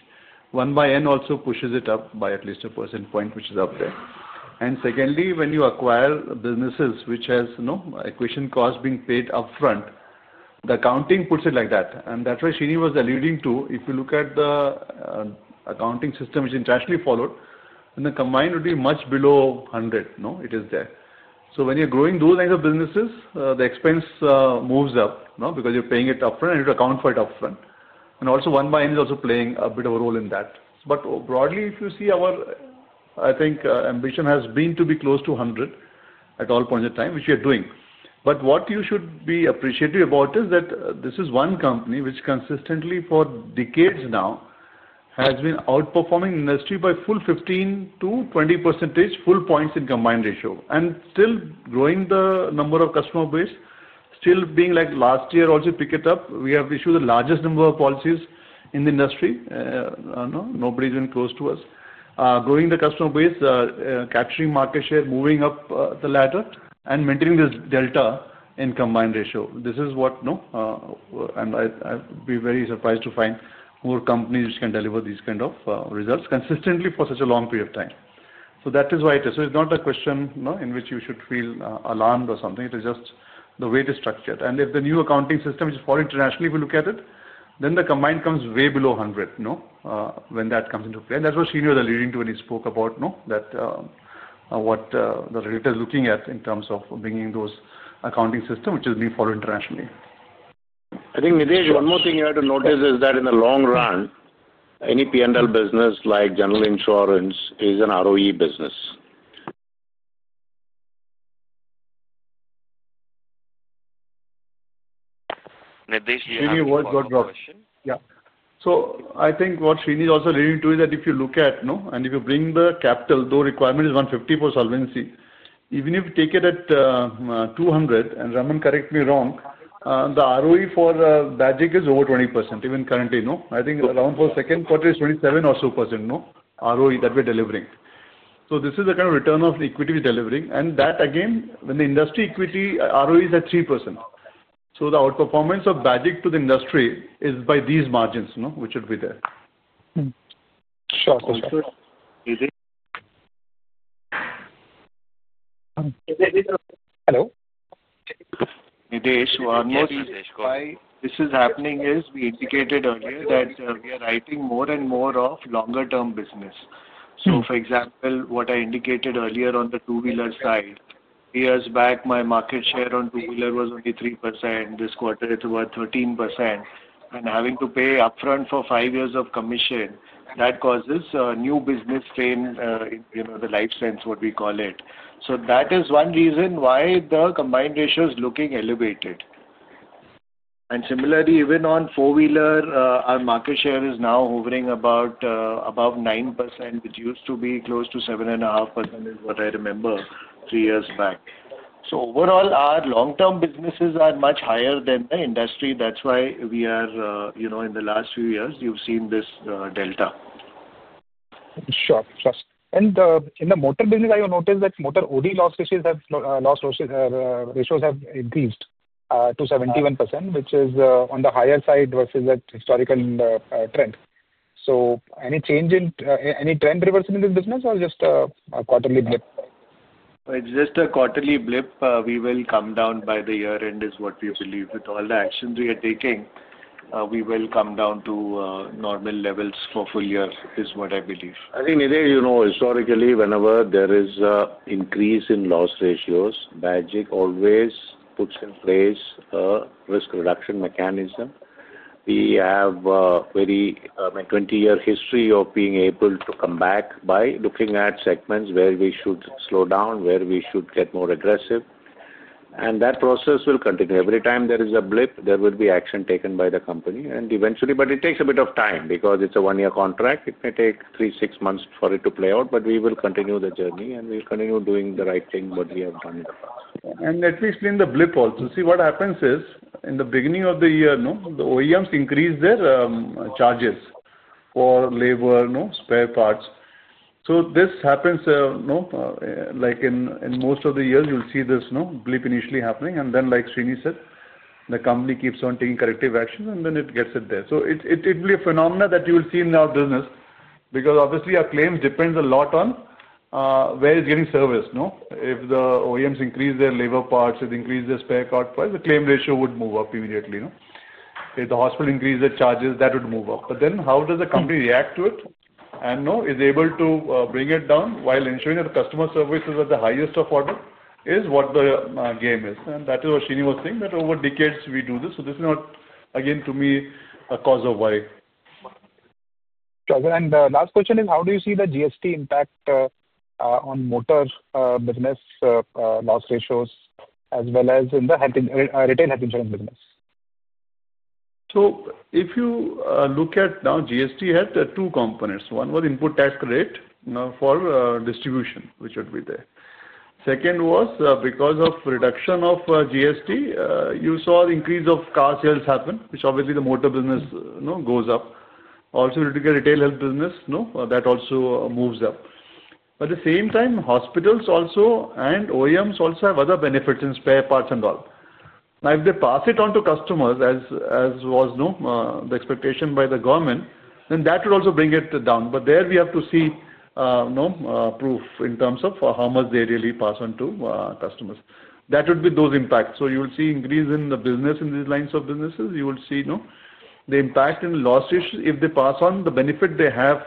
1xN also pushes it up by at least a percentage point, which is up there. Secondly, when you acquire businesses which have acquisition costs being paid upfront, the accounting puts it like that. That is why Sreenivasan was alluding to, if you look at the accounting system which is internationally followed, then the combined would be much below 100. It is there. When you are growing those kinds of businesses, the expense moves up because you are paying it upfront, and you account for it upfront. Also, 1 by N is also playing a bit of a role in that. Broadly, if you see our, I think, ambition has been to be close to 100 at all points of time, which we are doing. What you should be appreciative about is that this is one company which consistently for decades now has been outperforming the industry by a full 15-20 percentage points in combined ratio and still growing the number of customer base, still being like last year also picked up. We have issued the largest number of policies in the industry. Nobody's even close to us. Growing the customer base, capturing market share, moving up the ladder, and maintaining this delta in combined ratio. This is what I'd be very surprised to find more companies which can deliver these kinds of results consistently for such a long period of time. That is why it is. It's not a question in which you should feel alarmed or something. It is just the way it is structured. If the new accounting system is for internationally, if you look at it, then the combined comes way below 100 when that comes into play. That's what Sreenivasan was alluding to when he spoke about what the regulator is looking at in terms of bringing those accounting systems, which is being followed internationally. I think, Nidhesh, one more thing you had to notice is that in the long run, any P&L business like general insurance is an ROE business. Nidhesh, do you have a question? Sreenivasan, what's your question? Yeah. I think what Sreenivasan is also alluding to is that if you look at, and if you bring the capital, though requirement is 150 for solvency, even if you take it at 200, and Ramandeep, correct me if I am wrong, the ROE for Bajaj is over 20%, even currently. I think around for second quarter is 27% or so ROE that we're delivering. This is the kind of return on equity we're delivering. That, again, when the industry equity ROE is at 3%. The outperformance of Bajaj to the industry is by these margins, which should be there. Sure. Hello. Nidhesh, one more thing. This is happening as we indicated earlier that we are writing more and more of longer-term business. For example, what I indicated earlier on the two-wheeler side, three years back, my market share on two-wheeler was only 3%. This quarter, it was 13%. Having to pay upfront for five years of commission, that causes new business in the life sense, what we call it. That is one reason why the combined ratio is looking elevated. Similarly, even on four-wheeler, our market share is now hovering above 9%, which used to be close to 7.5%, is what I remember three years back. Overall, our long-term businesses are much higher than the industry. That is why we are, in the last few years, you have seen this delta. Sure. In the motor business, I have noticed that motor OD loss ratios have increased to 71%, which is on the higher side versus that historical trend. Any trend reversal in this business or just a quarterly blip? It is just a quarterly blip. We will come down by the year end, is what we believe. With all the actions we are taking, we will come down to normal levels for full year is what I believe. I think, Nidhesh, historically, whenever there is an increase in loss ratios, Bajaj always puts in place a risk reduction mechanism. We have a very 20-year history of being able to come back by looking at segments where we should slow down, where we should get more aggressive. That process will continue. Every time there is a blip, there will be action taken by the company. Eventually, it takes a bit of time because it's a one-year contract. It may take three-six months for it to play out, but we will continue the journey and we'll continue doing the right thing, what we have done in the past. At least in the blip also, see, what happens is in the beginning of the year, the OEMs increase their charges for labor, spare parts. This happens like in most of the years, you'll see this blip initially happening. Like Sreenivasan said, the company keeps on taking corrective actions, and then it gets it there. It will be a phenomenon that you will see in our business because obviously, our claims depend a lot on where it's getting serviced. If the OEMs increase their labor parts, it increases their spare part price, the claim ratio would move up immediately. If the hospital increases their charges, that would move up. However, how does the company react to it? Is it able to bring it down while ensuring that the customer service is at the highest of order is what the game is. That is what Sreenivasan was saying, that over decades, we do this. This is not, again, to me, a cause of why. The last question is, how do you see the GST impact on motor business loss ratios as well as in the retail health insurance business? If you look at now, GST had two components. One was input tax credit for distribution, which would be there. Second was because of reduction of GST, you saw the increase of car sales happen, which obviously the motor business goes up. Also, you look at retail health business, that also moves up. At the same time, hospitals also and OEMs also have other benefits and spare parts involved. Now, if they pass it on to customers as was the expectation by the government, that would also bring it down. There we have to see proof in terms of how much they really pass on to customers. That would be those impacts. You will see increase in the business in these lines of businesses. You will see the impact in loss issues. If they pass on the benefit they have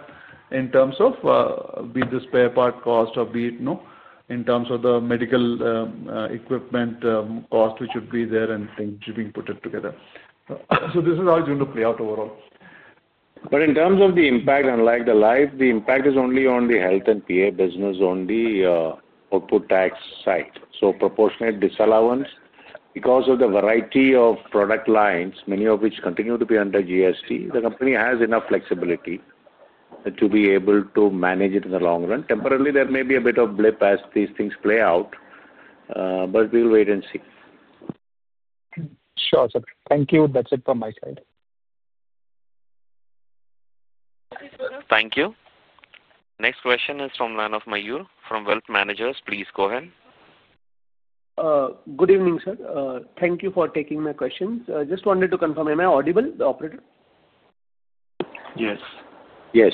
in terms of, be it the spare part cost or be it in terms of the medical equipment cost, which would be there and things being put together. This is how it's going to play out overall. But in terms of the impact on the life, the impact is only on the health and PA business, only output tax side. So proportionate disallowance because of the variety of product lines, many of which continue to be under GST, the company has enough flexibility to be able to manage it in the long run. Temporarily, there may be a bit of blip as these things play out, but we'll wait and see. Sure. Thank you. That's it from my side. Thank you. Next question is from from Wealth Managers. Please go ahead. Good evening, sir. Thank you for taking my questions. Just wanted to confirm, am I audible, the Operator? Yes. Yes. Yes.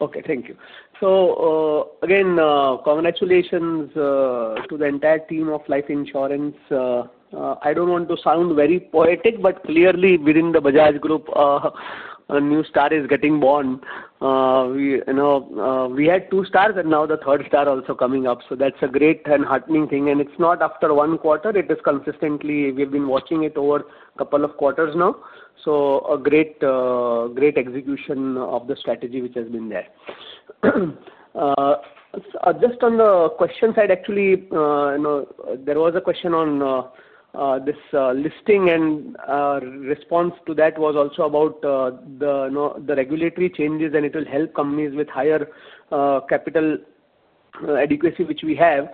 Okay. Thank you. So again, congratulations to the entire team of life insurance. I don't want to sound very poetic, but clearly within the Bajaj group, a new star is getting born. We had two stars, and now the third star also coming up. That's a great and heartening thing. It's not after one quarter. It is consistently we have been watching it over a couple of quarters now. A great execution of the strategy which has been there. Just on the question side, actually, there was a question on this listing, and response to that was also about the regulatory changes, and it will help companies with higher capital adequacy, which we have.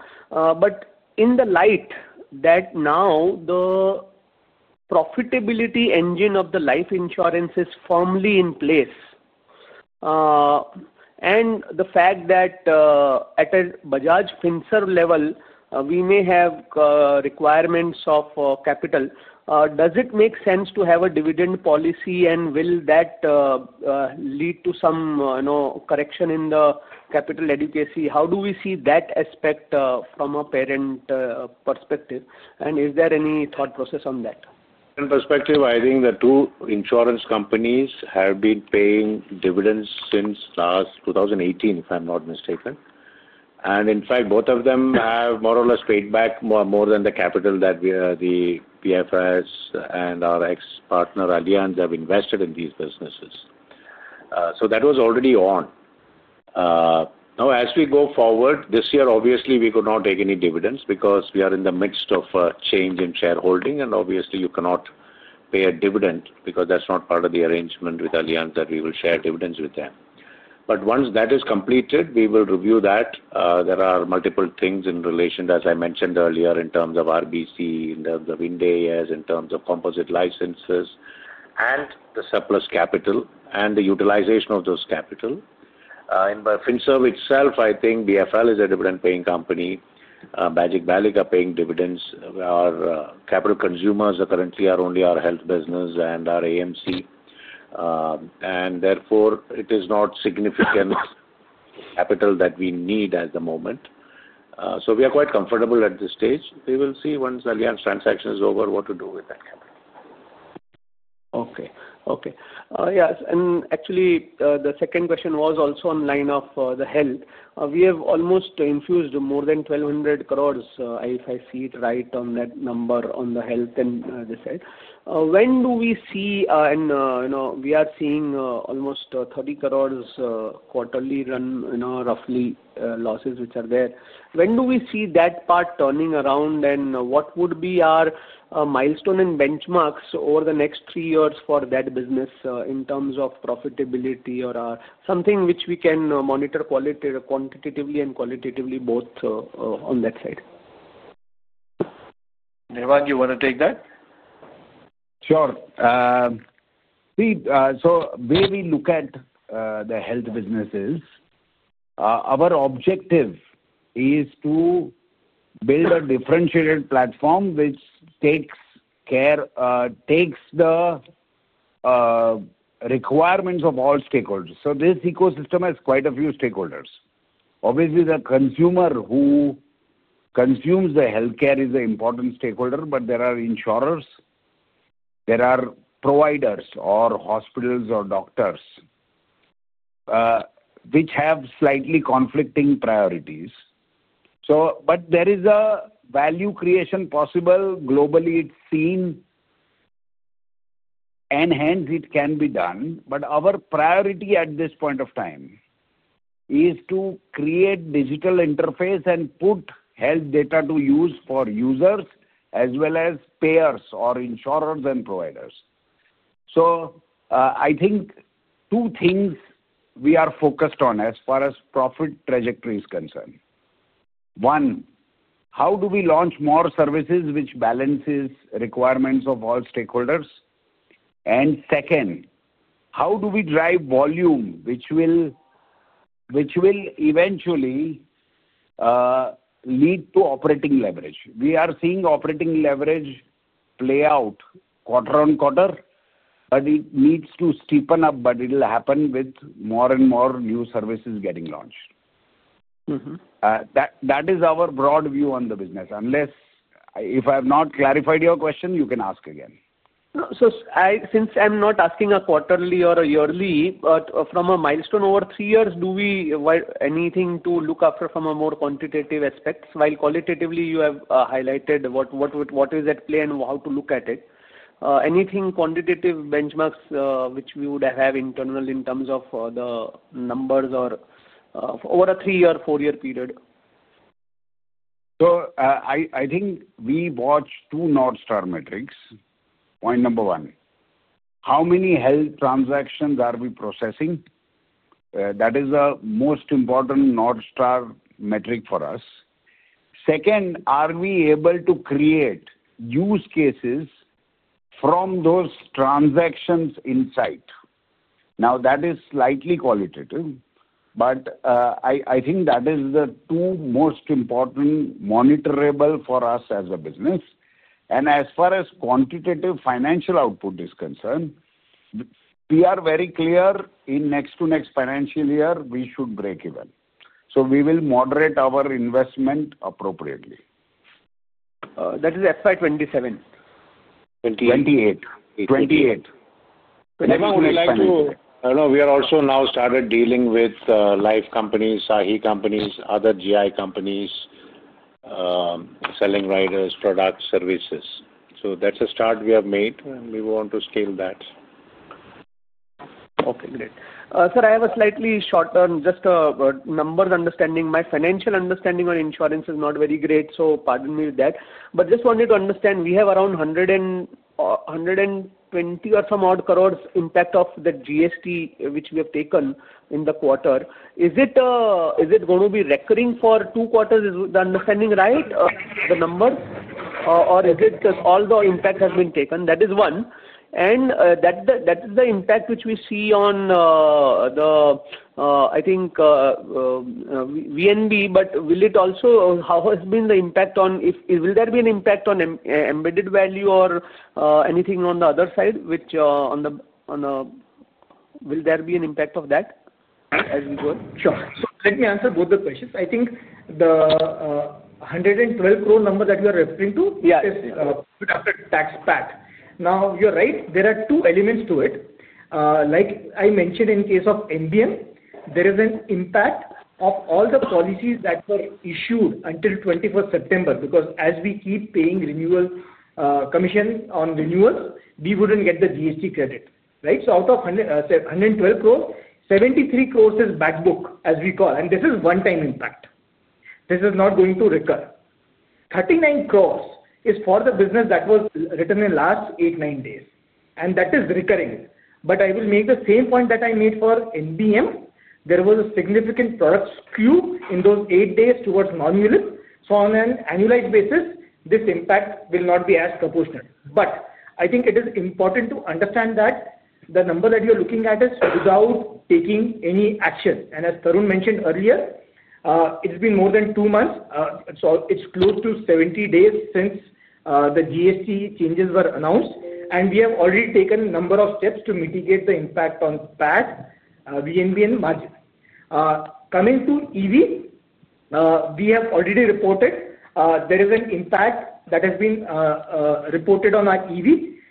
In the light that now the profitability engine of the life insurance is firmly in place and the fact that at a Bajaj Finserv level, we may have requirements of capital, does it make sense to have a dividend policy? Will that lead to some correction in the capital adequacy? How do we see that aspect from a parent perspective? Is there any thought process on that? From a parent perspective, I think the two insurance companies have been paying dividends since 2018, if I'm not mistaken. In fact, both of them have more or less paid back more than the capital that the PFS and our ex-partner Allianz have invested in these businesses. That was already on. Now, as we go forward, this year, obviously, we could not take any dividends because we are in the midst of a change in shareholding. Obviously, you cannot pay a dividend because that's not part of the arrangement with Allianz that we will share dividends with them. Once that is completed, we will review that. There are multiple things in relation, as I mentioned earlier, in terms of RBC, the IND AS, in terms of composite licenses, and the surplus capital, and the utilization of those capital. By Finserv itself, I think BFL is a dividend-paying company. Bajaj Life are paying dividends. Our capital consumers currently are only our health business and our AMC. Therefore, it is not significant capital that we need at the moment. We are quite comfortable at this stage. We will see once Allianz transaction is over what to do with that capital. Okay. Yeah. Actually, the second question was also on the line of the health. We have almost infused more than 1,200 crore, if I see it right, on that number on the health and this side. When do we see and we are seeing almost 30 crore quarterly run, roughly, losses which are there. When do we see that part turning around? What would be our milestone and benchmarks over the next three years for that business in terms of profitability or something which we can monitor quantitatively and qualitatively both on that side? Devang, you want to take that? Sure. Where we look at the health businesses, our objective is to build a differentiated platform which takes care of the requirements of all stakeholders. This ecosystem has quite a few stakeholders. Obviously, the consumer who consumes the healthcare is an important stakeholder, but there are insurers, there are providers, or hospitals or doctors which have slightly conflicting priorities. There is a value creation possible globally. It is seen, and hence it can be done. Our priority at this point of time is to create digital interface and put health data to use for users as well as payers or insurers and providers. I think two things we are focused on as far as profit trajectory is concerned. One, how do we launch more services which balances requirements of all stakeholders? Second, how do we drive volume which will eventually lead to operating leverage? We are seeing operating leverage play out quarter on quarter, but it needs to steepen up, but it will happen with more and more new services getting launched. That is our broad view on the business. If I have not clarified your question, you can ask again. Since I am not asking a quarterly or a yearly, but from a milestone over three years, do we have anything to look after from a more quantitative aspect? While qualitatively, you have highlighted what is at play and how to look at it. Anything quantitative benchmarks which we would have internal in terms of the numbers or over a three-year, four-year period? I think we watch two North Star metrics. Point number one, how many health transactions are we processing? That is the most important North Star metric for us. Second, are we able to create use cases from those transactions in sight? Now, that is slightly qualitative, but I think that is the two most important monitorable for us as a business. As far as quantitative financial output is concerned, we are very clear in next to next financial year, we should break even. We will moderate our investment appropriately. That is FY 2027. 2028. 2028. 2028. I would like to know we are also now started dealing with life companies, Sahi companies, other GI companies, selling riders, products, services. So that's a start we have made, and we want to scale that. Okay. Great. Sir, I have a slightly shorter just number understanding. My financial understanding on insurance is not very great, so pardon me with that. But just wanted to understand, we have around 120 crore or some odd crores impact of the GST which we have taken in the quarter. Is it going to be recurring for two quarters? Is the understanding right, the number? Or is it just all the impact has been taken? That is one. That is the impact which we see on the, I think, VNB, but will it also, how has been the impact on, will there be an impact on embedded value or anything on the other side, will there be an impact of that as we go? Sure. Let me answer both the questions. I think the 112 crore number that you are referring to is after-tax PAT. Now, you're right. There are two elements to it. Like I mentioned, in case of VNB, there is an impact of all the policies that were issued until 21 September because as we keep paying renewal commission on renewals, we would not get the GST credit, right? Out of 112 crore, 73 crore is backbook, as we call. This is one-time impact. This is not going to recur. 39 crore is for the business that was written in the last eight-nine days. That is recurring. I will make the same point that I made for MBM. There was a significant product skew in those eight days towards normulin. On an annualized basis, this impact will not be as proportional. I think it is important to understand that the number that you are looking at is without taking any action. As Tarun mentioned earlier, it has been more than two months. It is close to 70 days since the GST changes were announced. We have already taken a number of steps to mitigate the impact on PAT, VNB, and margin. Coming to EV, we have already reported there is an impact that has been reported on our EV.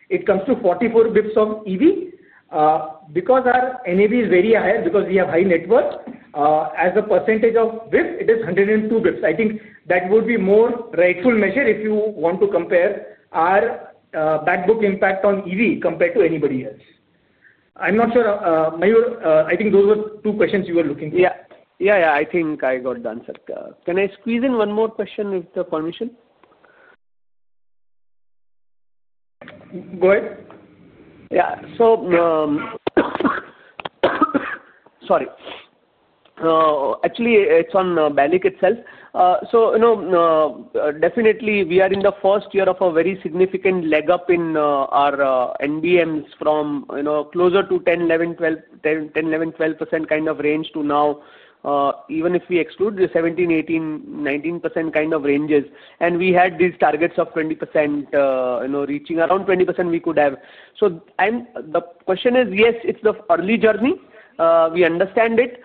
It comes to 44 basis points of EV. Because our NAV is very high, because we have high net worth, as a percentage of BIP, it is 102 basis points. I think that would be a more rightful measure if you want to compare our backbook impact on EV compared to anybody else. I'm not sure. I think those were two questions you were looking for. Yeah. Yeah. Yeah. I think I got the answer. Can I squeeze in one more question with the permission? Go ahead. Yeah. Sorry. Actually, it's on Bajaj Life Insurance itself. Definitely, we are in the first year of a very significant leg up in our NBMs from closer to 10%-12% kind of range to now, even if we exclude the 17%-19% kind of ranges. And we had these targets of 20%, reaching around 20% we could have. The question is, yes, it's the early journey. We understand it.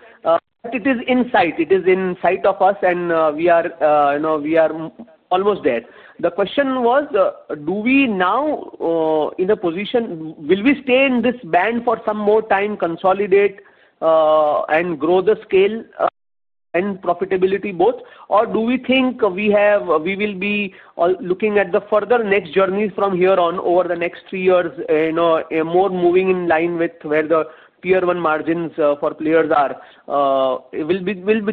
It is in sight. It is in sight of us, and we are almost there. The question was, are we now in a position, will we stay in this band for some more time, consolidate, and grow the scale and profitability both? Or do we think we will be looking at the further next journeys from here on over the next three years and more, moving in line with where the tier one margins for players are? Will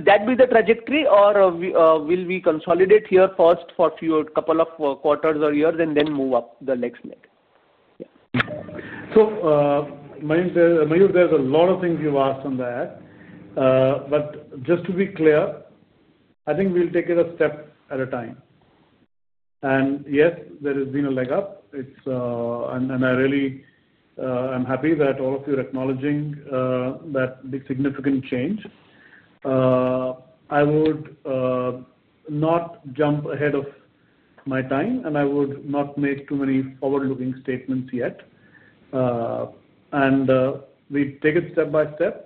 that be the trajectory, or will we consolidate here first for a couple of quarters or years and then move up the next leg? Yeah. Mahir, there are a lot of things you've asked on that. Just to be clear, I think we'll take it a step at a time. Yes, there has been a leg up. I really am happy that all of you are acknowledging that significant change. I would not jump ahead of my time, and I would not make too many forward-looking statements yet. We take it step by step.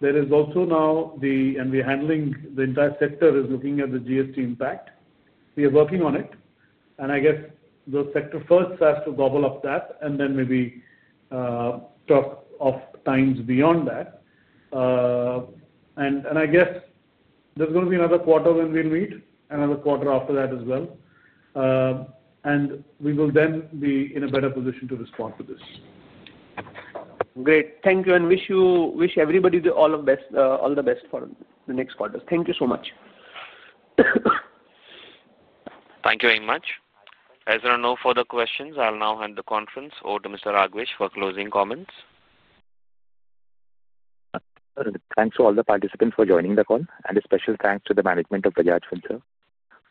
There is also now the, and we are handling, the entire sector is looking at the GST impact. We are working on it. I guess the sector first has to gobble up that, and then maybe talk of times beyond that. I guess there is going to be another quarter when we will meet, another quarter after that as well. We will then be in a better position to respond to this. Great. Thank you. I wish everybody all the best for the next quarter. Thank you so much. Thank you very much. As there are no further questions, I will now hand the conference over to Mr. Raghvesh for closing comments. Thanks to all the participants for joining the call, and a special thanks to the management of Bajaj Finserv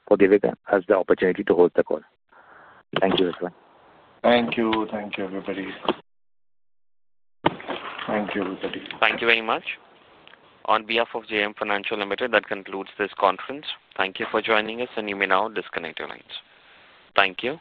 for giving us the opportunity to host the call. Thank you as well. Thank you. Thank you, everybody. Thank you very much. On behalf of JM Financial Limited, that concludes this conference. Thank you for joining us, and you may now disconnect your lines. Thank you.